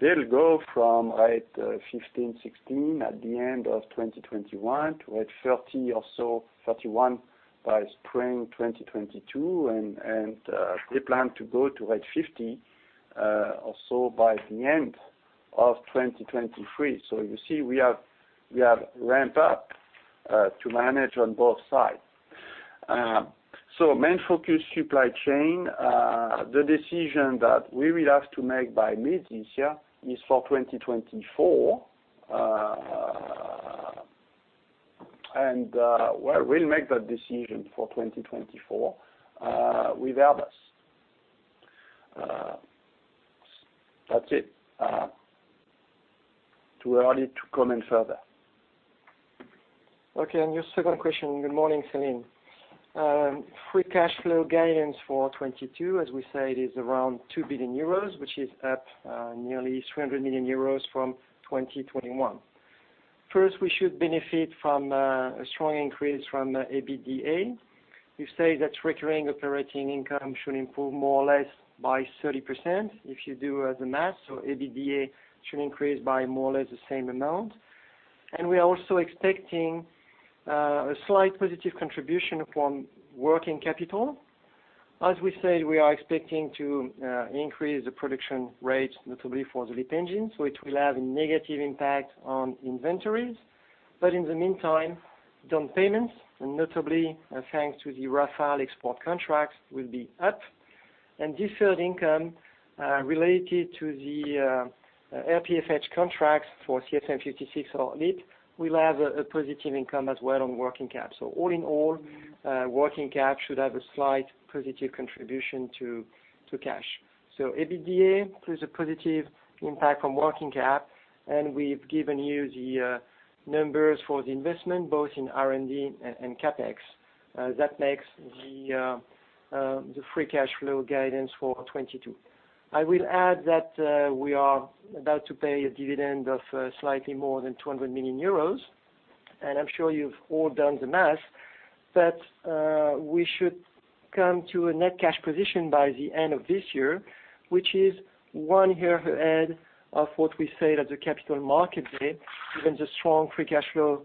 they'll go from rate 15, 16 at the end of 2021 to rate 30 or so, 31 by spring 2022. They plan to go to rate 50 or so by the end of 2023. You see, we have ramp up to manage on both sides. Main focus supply chain. The decision that we will have to make by mid this year is for 2024. We'll make that decision for 2024 with Airbus. That's it. Too early to comment further. On your second question, good morning, Celine. Free cash flow guidance for 2022, as we said, is around 2 billion euros, which is up nearly 300 million euros from 2021. We should benefit from a strong increase from A&D. We say that recurring operating income should improve more or less by 30% if you do the math. A&D should increase by more or less the same amount. We are also expecting a slight positive contribution from working capital. As we said, we are expecting to increase the production rates, notably for the LEAP engines, which will have a negative impact on inventories. In the meantime, down payments, and notably, thanks to the Rafale export contracts, will be up. This third income related to the RPFH contracts for CFM56 or LEAP will have a positive impact as well on working cap. All in all, working cap should have a slight positive contribution to cash. EBITDA plus a positive impact from working cap, and we've given you the numbers for the investment both in R&D and CapEx. That makes the free cash flow guidance for 2022. I will add that we are about to pay a dividend of slightly more than 200 million euros, and I'm sure you've all done the math. We should come to a net cash position by the end of this year, which is one year ahead of what we said at the Capital Markets Day, given the strong free cash flow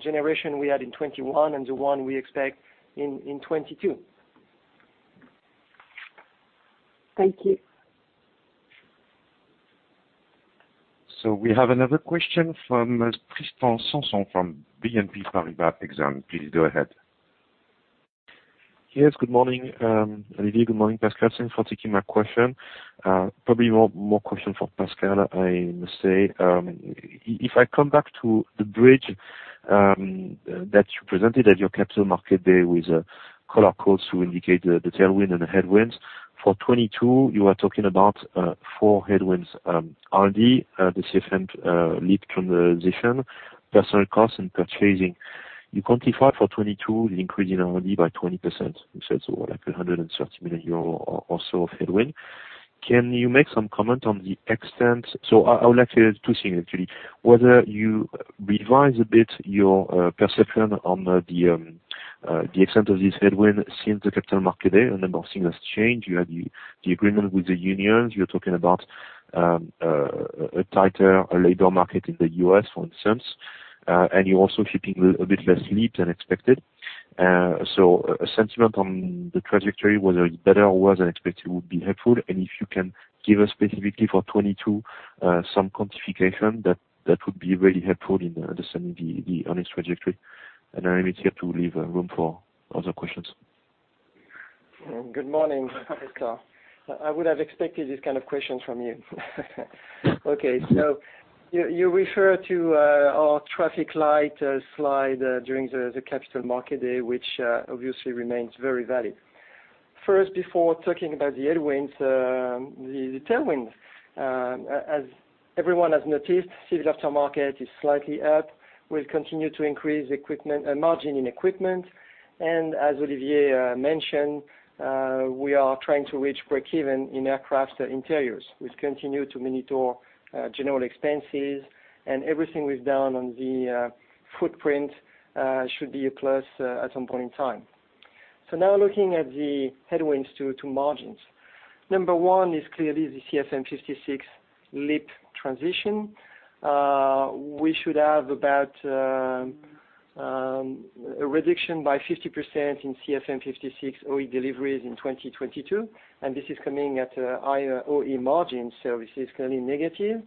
generation we had in 2021 and the one we expect in 2022. Thank you. We have another question from Tristan Sanson from BNP Paribas Exane. Please go ahead. Yes, good morning, Olivier. Good morning, Pascal. Thanks for taking my question. Probably more question for Pascal, I must say. If I come back to the bridge that you presented at your Capital Markets Day with color codes to indicate the tailwind and the headwinds. For 2022, you are talking about four headwinds, R&D, the CFM LEAP transition, personnel costs and purchasing. You quantify for 2022 the increase in R&D by 20%, which is what? Like 130 million euro or so of headwind. Can you make some comment on the extent? I would like to hear two things actually. Whether you revise a bit your perception on the extent of this headwind since the Capital Markets Day and then nothing has changed. You have the agreement with the unions, you're talking about a tighter labor market in the U.S., for instance, and you're also shipping a bit less LEAP than expected. A sentiment on the trajectory, whether it's better or worse than expected, would be helpful. If you can give us specifically for 2022, some quantification, that would be really helpful in understanding the earnings trajectory. I immediately have to leave room for other questions. Good morning, Tristan. I would have expected this kind of question from you. Okay. So you refer to our traffic light slide during the capital market day, which obviously remains very valid. First, before talking about the headwinds, the tailwinds, as everyone has noticed, civil aftermarket is slightly up. We'll continue to increase equipment margin in equipment. As Olivier mentioned, we are trying to reach breakeven in aircraft interiors. We've continued to monitor general expenses, and everything we've done on the footprint should be a plus at some point in time. So now looking at the headwinds to margins. Number one is clearly the CFM56 LEAP transition. We should have about a reduction by 50% in CFM56 OE deliveries in 2022, and this is coming at a higher OE margin, so this is currently negative.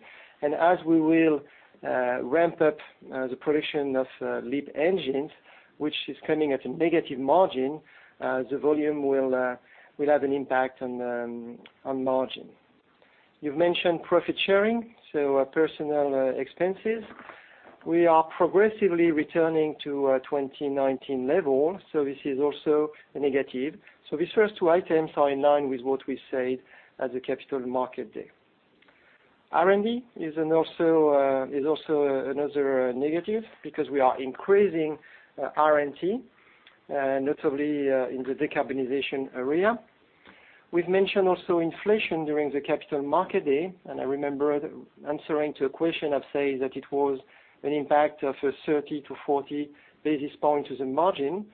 As we will ramp up the production of LEAP engines, which is coming at a negative margin, the volume will have an impact on margin. You've mentioned profit sharing, so personnel expenses. We are progressively returning to 2019 level. This is also a negative. These first two items are in line with what we said at the capital market day. R&D is also another negative because we are increasing R&D, notably, in the decarbonization area. We've mentioned also inflation during the Capital Markets Day, and I remember answering to a question of say that it was an impact of a 30 basis point-40 basis point to the margin.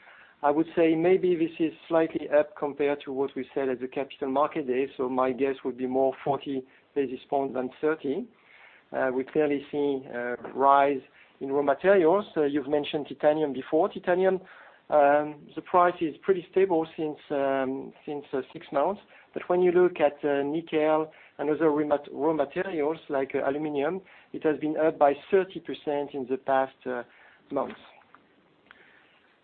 I would say maybe this is slightly up compared to what we said at the Capital Markets Day. My guess would be more 40 basis points than 30 basis point. We're clearly seeing a rise in raw materials. You've mentioned titanium before. Titanium, the price is pretty stable since six months. But when you look at nickel and other raw materials like aluminum, it has been up by 30% in the past months.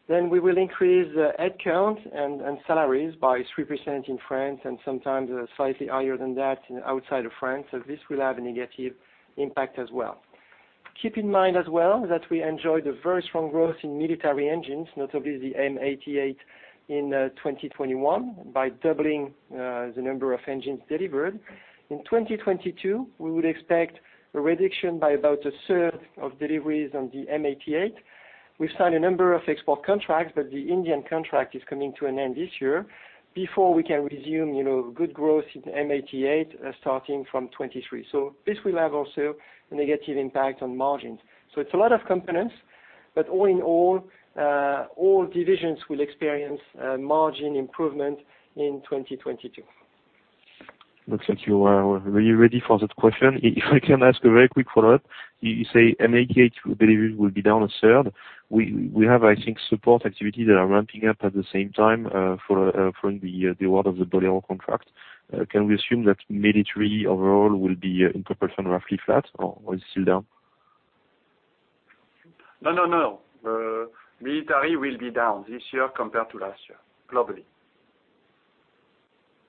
We will increase the head count and salaries by 3% in France and sometimes slightly higher than that outside of France. This will have a negative impact as well. Keep in mind as well that we enjoy the very strong growth in military engines, notably the M88 in 2021 by doubling the number of engines delivered. In 2022, we would expect a reduction by about a third of deliveries on the M88. We've signed a number of export contracts, but the Indian contract is coming to an end this year before we can resume, you know, good growth in M88 starting from 2023. This will have also a negative impact on margins. It's a lot of components, but all in all divisions will experience margin improvement in 2022. Looks like you were very ready for that question. If I can ask a very quick follow-up. You say M88, I believe, will be down a third. We have, I think, support activities that are ramping up at the same time for the award of the BALZAC contract. Can we assume that military overall will be in proportion roughly flat or still down? No, no. Military will be down this year compared to last year, globally.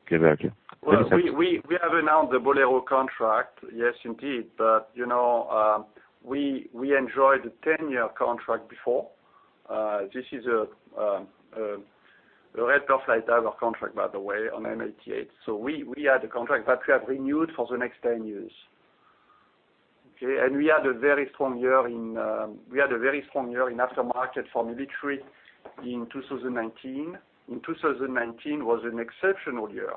Okay. Thank you. Many thanks. Well, we have announced the BALZAC contract, yes, indeed. You know, we enjoyed the 10-year contract before. This is a red flag type of contract, by the way, on M88. We had a contract that we have renewed for the next 10 years. Okay? We had a very strong year in aftermarket for military in 2019. 2019 was an exceptional year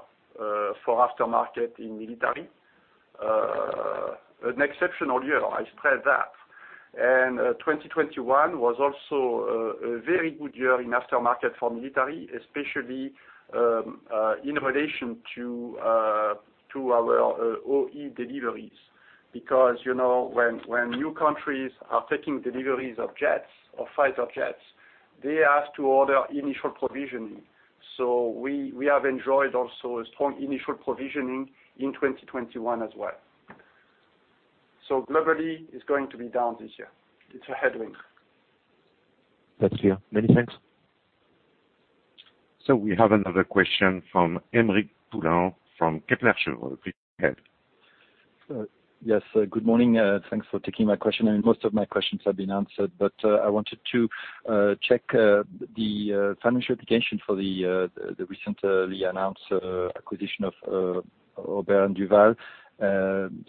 for aftermarket in military. An exceptional year, I stress that. 2021 was also a very good year in aftermarket for military, especially in relation to our OE deliveries. Because, you know, when new countries are taking deliveries of jets or fighter jets, they ask to order initial provisioning. We have enjoyed also a strong initial provisioning in 2021 as well. Globally, it's going to be down this year. It's a headwind. That's clear. Many thanks. We have another question from Aymeric Poulain from Kepler Cheuvreux. Please go ahead. Yes. Good morning. Thanks for taking my question, and most of my questions have been answered. I wanted to check the financial implication for the recent reannounced acquisition of Aubert & Duval,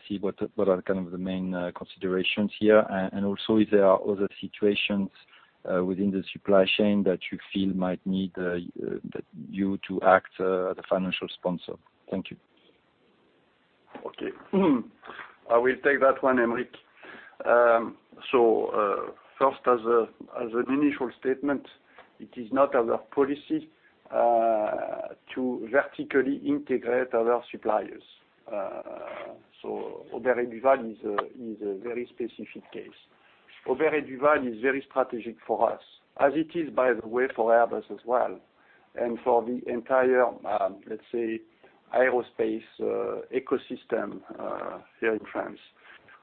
see what are kind of the main considerations here. Also if there are other situations within the supply chain that you feel might need you to act as a financial sponsor. Thank you. Okay. I will take that one, Aymeric. As an initial statement, it is not our policy to vertically integrate our suppliers. Aubert & Duval is a very specific case. Aubert & Duval is very strategic for us, as it is, by the way, for Airbus as well, and for the entire, let's say, aerospace ecosystem here in France.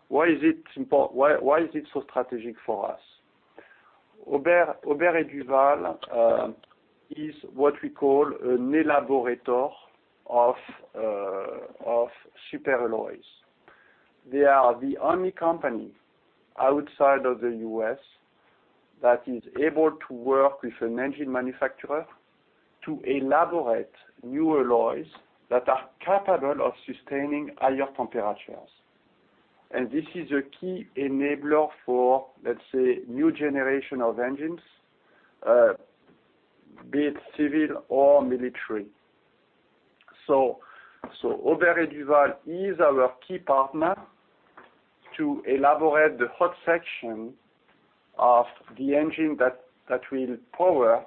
Why is it so strategic for us? Aubert & Duval is what we call an elaborator of superalloys. They are the only company outside of the U.S. that is able to work with an engine manufacturer to elaborate new alloys that are capable of sustaining higher temperatures. This is a key enabler for, let's say, new generation of engines, be it civil or military. Aubert & Duval is our key partner to elaborate the hot section of the engine that will power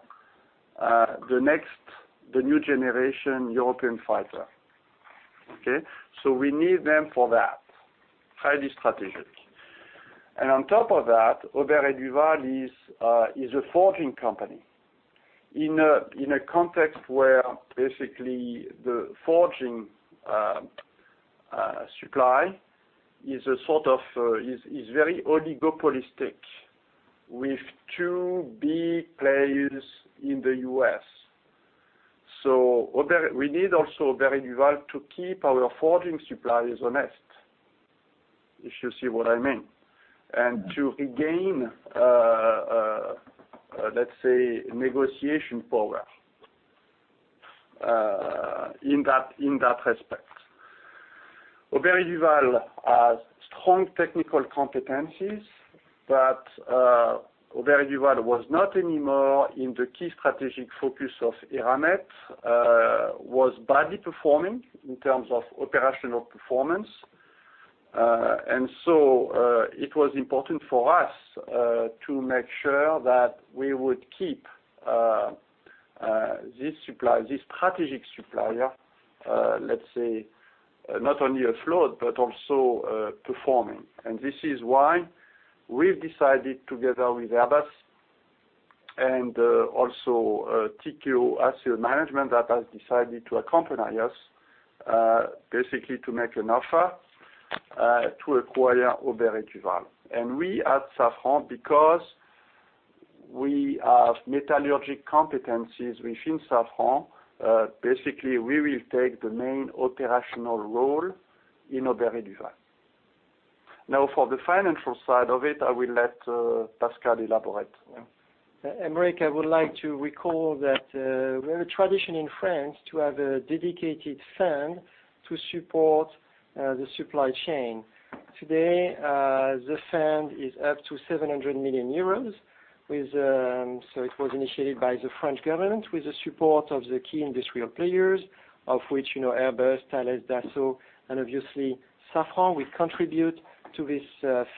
the new generation European fighter. Okay? We need them for that. Highly strategic. On top of that, Aubert & Duval is a forging company in a context where basically the forging supply is sort of very oligopolistic with two big players in the U.S. We need also Aubert & Duval to keep our forging suppliers honest, if you see what I mean, and to regain, let's say, negotiation power in that respect. Aubert & Duval has strong technical competencies, but Aubert & Duval was not anymore in the key strategic focus of Eramet, was badly performing in terms of operational performance. It was important for us to make sure that we would keep this supplier, this strategic supplier, let's say, not only afloat, but also performing. This is why we've decided together with Airbus and also Tikehau Capital that has decided to accompany us, basically to make an offer to acquire Aubert & Duval. We at Safran, because we have metallurgic competencies within Safran, basically, we will take the main operational role in Aubert & Duval. Now, for the financial side of it, I will let Pascal elaborate. Yeah. Aymeric, I would like to recall that we have a tradition in France to have a dedicated fund to support the supply chain. Today, the fund is up to 700 million euros with. It was initiated by the French government with the support of the key industrial players, of which, you know, Airbus, Thales, Dassault, and obviously Safran, we contribute to this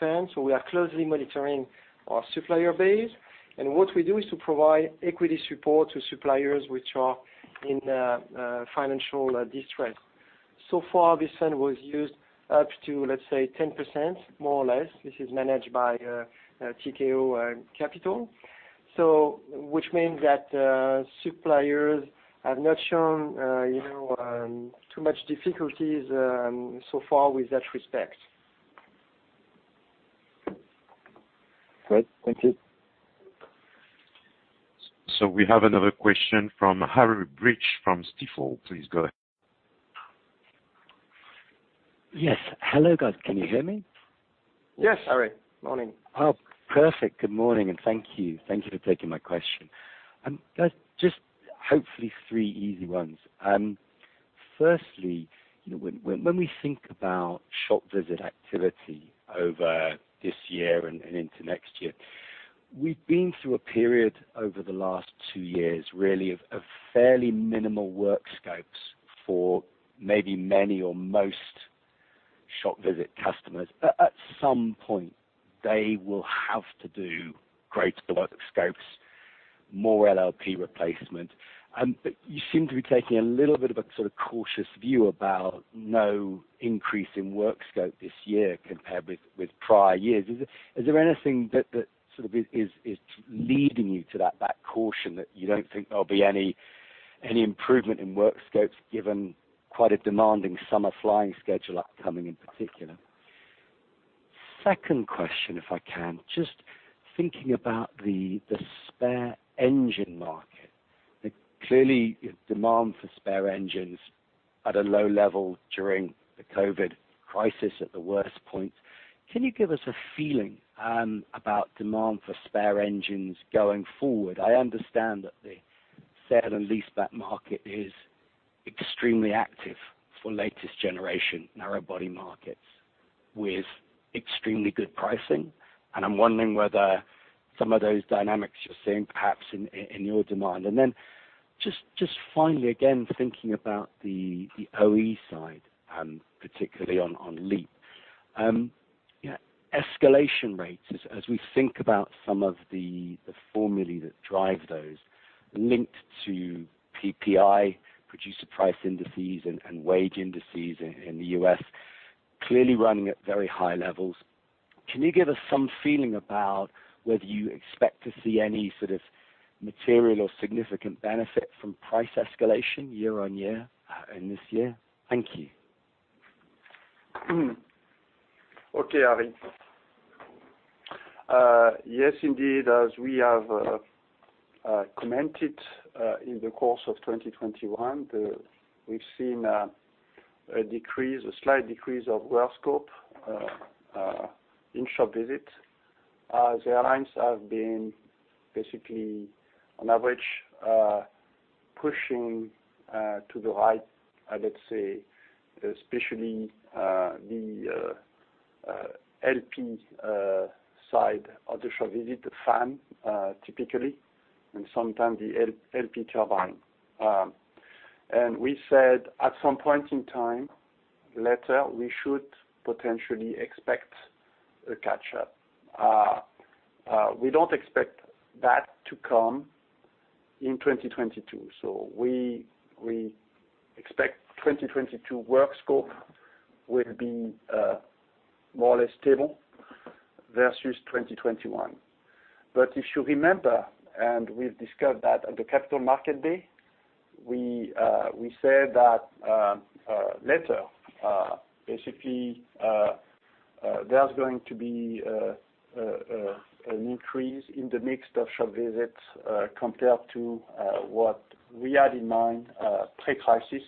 fund. We are closely monitoring our supplier base. What we do is to provide equity support to suppliers which are in financial distress. So far, this fund was used up to, let's say, 10%, more or less. This is managed by Tikehau Capital. Which means that suppliers have not shown, you know, too much difficulties so far with that respect. Great. Thank you. We have another question from Harry Breach from Stifel. Please go ahead. Yes. Hello, guys. Can you hear me? Yes. Harry, morning. Oh, perfect. Good morning, and thank you. Thank you for taking my question. Just hopefully three easy ones. Firstly, when we think about shop visit activity over this year and into next year, we've been through a period over the last two years, really of fairly minimal work scopes for maybe many or most shop visit customers. At some point, they will have to do greater work scopes, more LLP replacement. You seem to be taking a little bit of a sort of cautious view about no increase in work scope this year compared with prior years. Is there anything that sort of is leading you to that caution that you don't think there'll be any improvement in work scopes given quite a demanding summer flying schedule upcoming in particular? Second question, if I can. Just thinking about the spare engine market, clearly demand for spare engines at a low level during the COVID crisis at the worst point. Can you give us a feeling about demand for spare engines going forward? I understand that the sale and leaseback market is extremely active for latest generation narrow body markets with extremely good pricing. I'm wondering whether some of those dynamics you're seeing perhaps in your demand. Just finally, again, thinking about the OE side, particularly on LEAP. Escalation rates as we think about some of the formulae that drive those linked to PPI, producer price indices and wage indices in the U.S., clearly running at very high levels. Can you give us some feeling about whether you expect to see any sort of material or significant benefit from price escalation year on year, in this year? Thank you. Okay, Harry. Yes, indeed. As we have commented in the course of 2021, we've seen a decrease, a slight decrease of work scope in shop visit. The airlines have been basically on average pushing to the right, let's say, especially the LP side of the shop visit fan, typically, and sometimes the LP turbine. We said at some point in time later, we should potentially expect a catch-up. We don't expect that to come in 2022, so we expect 2022 work scope will be more or less stable versus 2021. If you remember, we've discussed that at the Capital Market Day, we said that later, basically, there's going to be an increase in the mix of shop visits compared to what we had in mind pre-crisis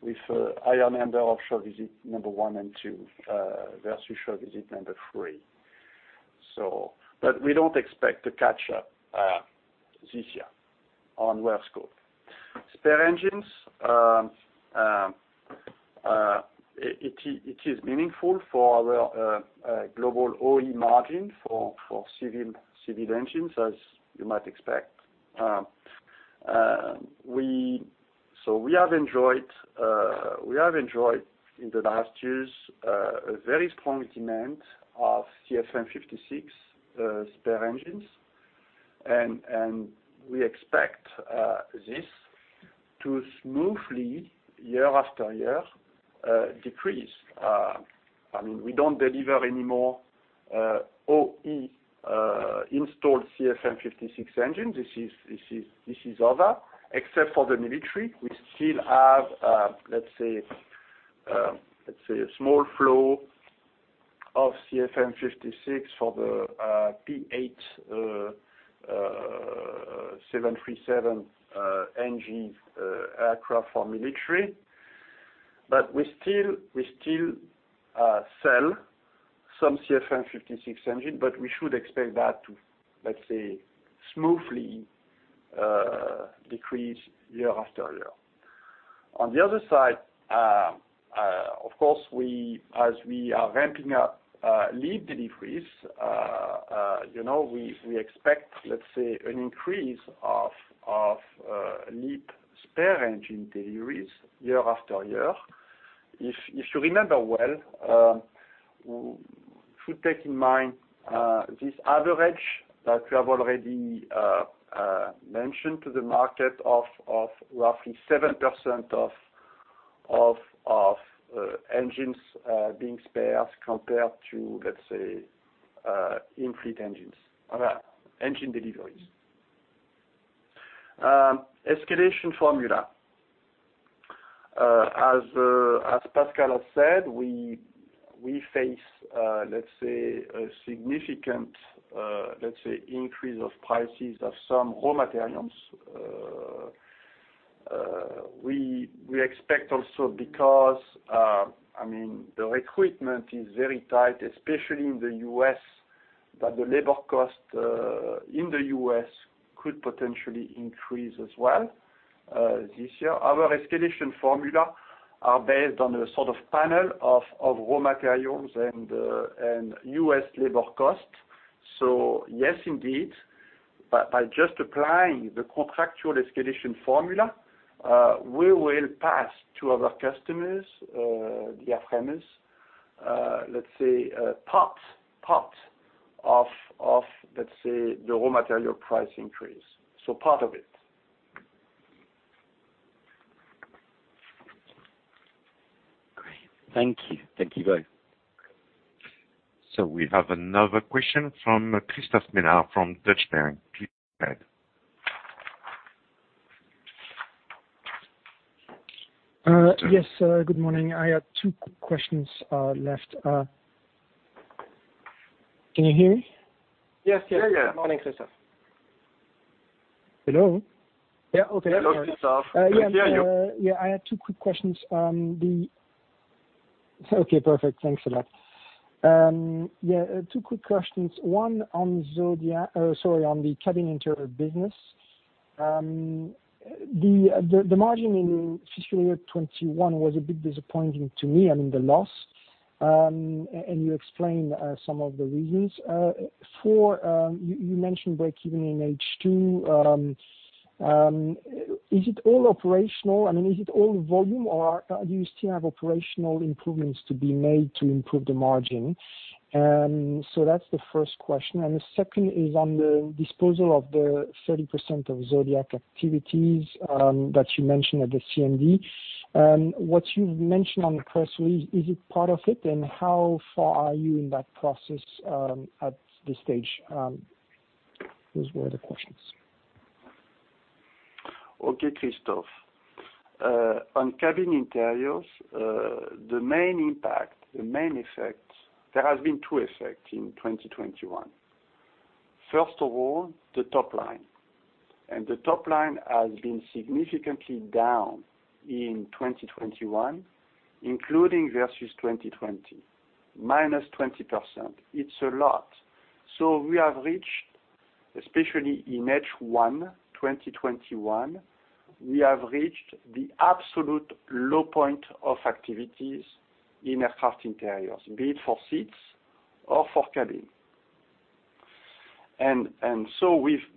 with a higher number of shop visit number one and two versus shop visit number three. We don't expect to catch up this year on work scope. Spare engines, it is meaningful for our global OE margin for civil engines, as you might expect. We have enjoyed in the last years a very strong demand of CFM56 spare engines. We expect this to smoothly decrease year after year. I mean, we don't deliver any more OE installed CFM56 engine. This is over, except for the military. We still have let's say a small flow of CFM56 for the P-8 737 NG aircraft for military. We still sell some CFM56 engine, but we should expect that to let's say smoothly decrease year after year. On the other side, of course, as we are ramping up LEAP deliveries, you know, we expect let's say an increase of LEAP spare engine deliveries year after year. If you remember well, we should take in mind this average that we have already mentioned to the market of roughly 7% of engines being spared compared to, let's say, in fleet engines, engine deliveries. Escalation formula. As Pascal has said, we face, let's say, a significant, let's say, increase of prices of some raw materials. We expect also because, I mean, the recruitment is very tight, especially in the U.S., that the labor cost in the U.S. could potentially increase as well, this year. Our escalation formula are based on a sort of panel of raw materials and U.S. labor costs. Yes, indeed, by just applying the contractual escalation formula, we will pass to our customers, the airframers, let's say, part of, let's say, the raw material price increase. Part of it. Great. Thank you. Thank you guys. We have another question from Christophe Menard from Deutsche Bank. Please go ahead. Yes, good morning. I had two questions left. Can you hear me? Yes. Yes. Yeah, yeah. Good morning, Christophe. Hello? Yeah. Okay. Hello, Christophe. We can hear you. Yeah, two quick questions. One on Zodiac, sorry, on the cabin interior business. The margin in fiscal year 2021 was a bit disappointing to me, I mean, the loss. And you explained some of the reasons for you mentioned breakeven in H2. Is it all operational? I mean, is it all volume or do you still have operational improvements to be made to improve the margin? That's the first question. The second is on the disposal of the 30% of Zodiac activities that you mentioned at the CMD. What you've mentioned on the press release, is it part of it? How far are you in that process at this stage? Those were the questions. Okay, Christophe. On cabin interiors, the main impact, the main effect, there has been two effects in 2021. First of all, the top line. The top line has been significantly down in 2021, including versus 2020, -20%. It's a lot. We have reached, especially in H1 2021, the absolute low point of activities in aircraft interiors, be it for seats or for cabin.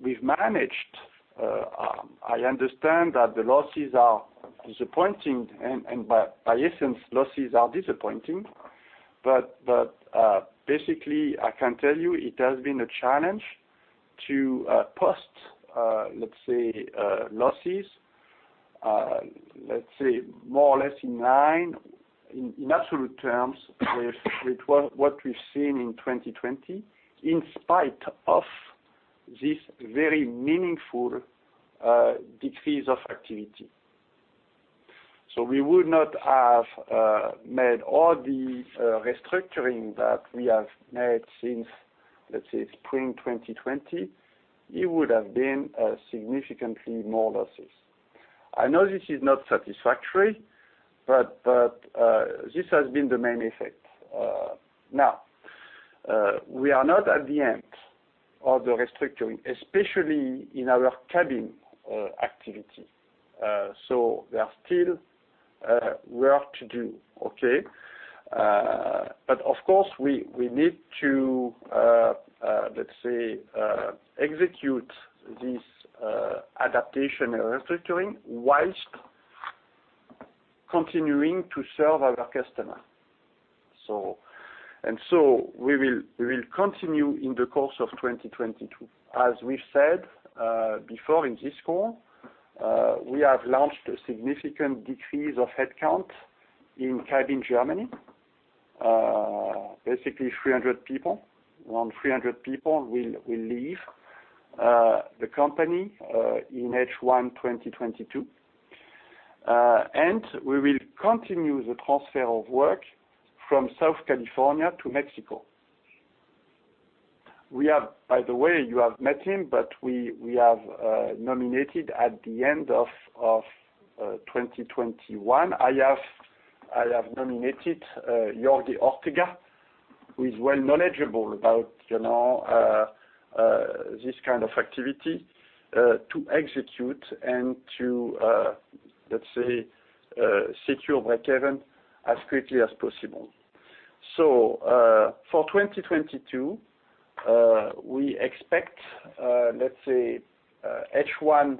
We've managed. I understand that the losses are disappointing, and by essence, losses are disappointing. Basically, I can tell you it has been a challenge to post, let's say, losses, let's say more or less in line in absolute terms with what we've seen in 2020, in spite of this very meaningful decrease of activity. We would not have made all the restructuring that we have made since, let's say, spring 2020. It would have been significantly more losses. I know this is not satisfactory, but this has been the main effect. Now, we are not at the end of the restructuring, especially in our cabin activity. There are still work to do. Okay? Of course, we need to let's say, execute this adaptation and restructuring while continuing to serve our customer. We will continue in the course of 2022. As we said, before in this call, we have launched a significant decrease of headcount in cabin Germany. Basically 300 people. Around 300 people will leave the company in H1 2022. We will continue the transfer of work from Southern California to Mexico. We have, by the way, you have met him, but we have nominated at the end of 2021. I have nominated Jorge Ortega, who is well knowledgeable about, you know, this kind of activity, to execute and to let's say secure breakeven as quickly as possible. For 2022, we expect, let's say, H1,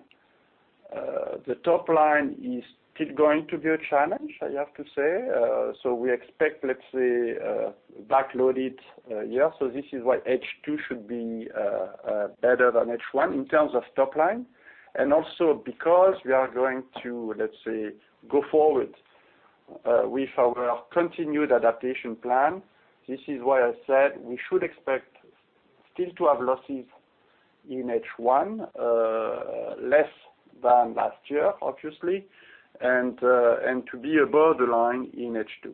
the top line is still going to be a challenge, I have to say. We expect, let's say, backloaded. This is why H2 should be better than H1 in terms of top line, and also because we are going to, let's say, go forward with our continued adaptation plan. This is why I said we should expect still to have losses in H1, less than last year, obviously, and to be above the line in H2.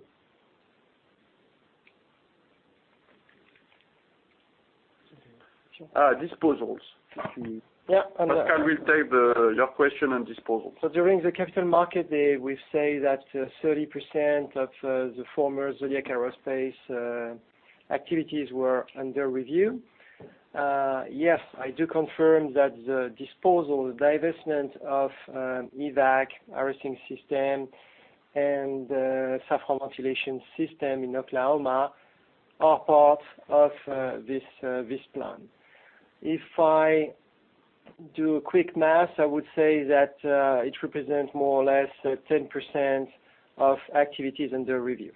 Disposals. Yeah. Pascal will take your question on disposals. During the Capital Markets Day, we say that 30% of the former Zodiac Aerospace activities were under review. Yes, I do confirm that the disposal, the divestment of EVAC Arresting System and Safran Ventilation Systems Oklahoma are part of this plan. If I do quick math, I would say that it represents more or less 10% of activities under review.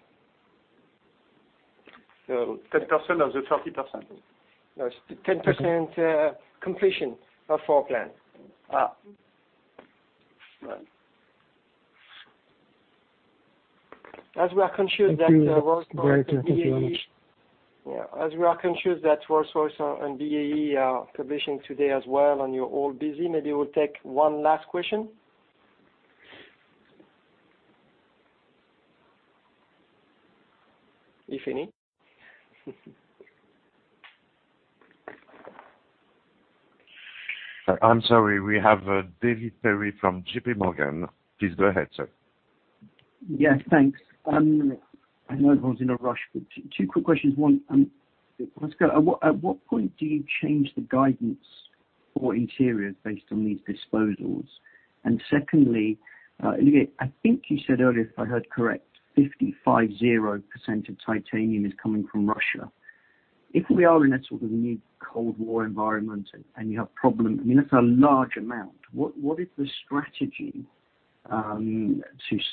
So 10% of the 30%? No, it's 10% completion of our plan. Ah. As we are conscious that, Rolls-Royce and BAE Thank you. Great. Thank you very much. Yeah. As we are conscious that Rolls-Royce and BAE are publishing today as well, and you're all busy, maybe we'll take one last question. If any. I'm sorry. We have David Perry from JPMorgan. Please go ahead, sir. Yeah. Thanks. I know everyone's in a rush, but two quick questions. One, Pascal, at what point do you change the guidance for interiors based on these disposals? And secondly, Olivier, I think you said earlier, if I heard correct, 55.0% of titanium is coming from Russia. If we are in a sort of new Cold War environment and you have problem, I mean, that's a large amount. What is the strategy to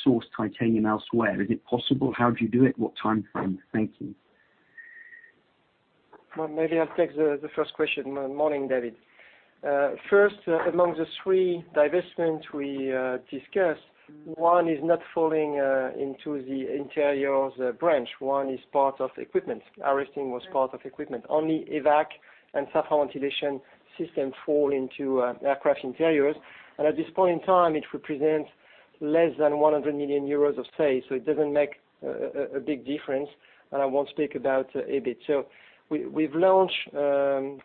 source titanium elsewhere? Is it possible? How do you do it? What time frame? Thank you. Well, maybe I'll take the first question. Morning, David. First, among the three divestments we discussed, one is not falling into the interiors branch. One is part of equipment. Arresting was part of equipment. Only EVAC and Safran Ventilation Systems fall into aircraft interiors. And at this point in time, it represents less than 100 million euros of sales, so it doesn't make a big difference, and I won't speak about EBIT. We've launched, you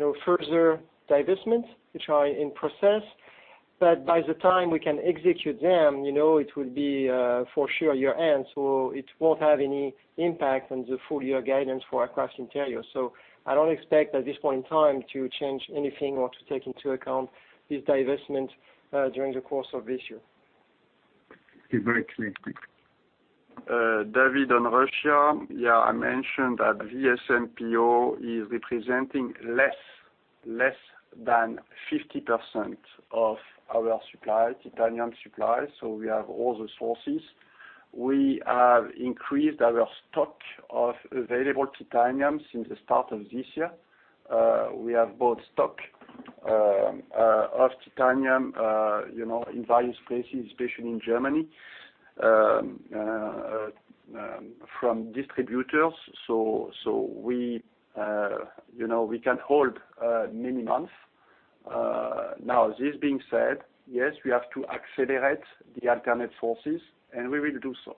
know, further divestments, which are in process. By the time we can execute them, you know, it will be for sure year-end, so it won't have any impact on the full year guidance for Aircraft Interiors. I don't expect, at this point in time, to change anything or to take into account this divestment during the course of this year. Thank you very much. David, on Russia, yeah, I mentioned that VSMPO-AVISMA is representing less than 50% of our supply, titanium supply, so we have all the sources. We have increased our stock of available titanium since the start of this year. We have bought stock of titanium, you know, in various places, especially in Germany, from distributors. We, you know, we can hold many months. Now this being said, yes, we have to accelerate the alternate sources, and we will do so.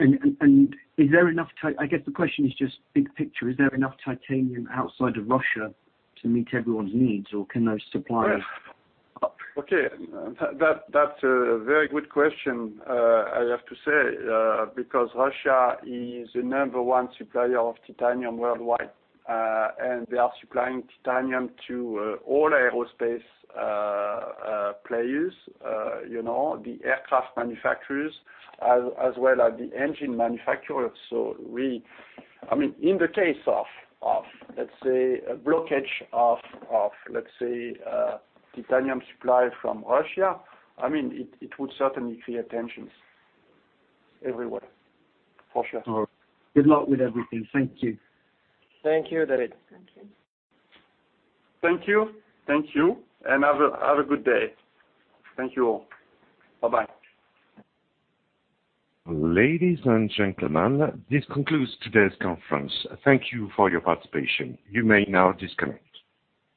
I guess the question is just big picture. Is there enough titanium outside of Russia to meet everyone's needs, or can those suppliers- Yes. Okay. That's a very good question, I have to say, because Russia is the number one supplier of titanium worldwide. They are supplying titanium to all aerospace players, you know, the aircraft manufacturers as well as the engine manufacturers. I mean, in the case of let's say a blockage of let's say titanium supply from Russia, I mean, it would certainly create tensions everywhere, for sure. All right. Good luck with everything. Thank you. Thank you, David. Thank you. Thank you. Have a good day. Thank you all. Bye-bye. Ladies and gentlemen, this concludes today's conference. Thank you for your participation. You may now disconnect.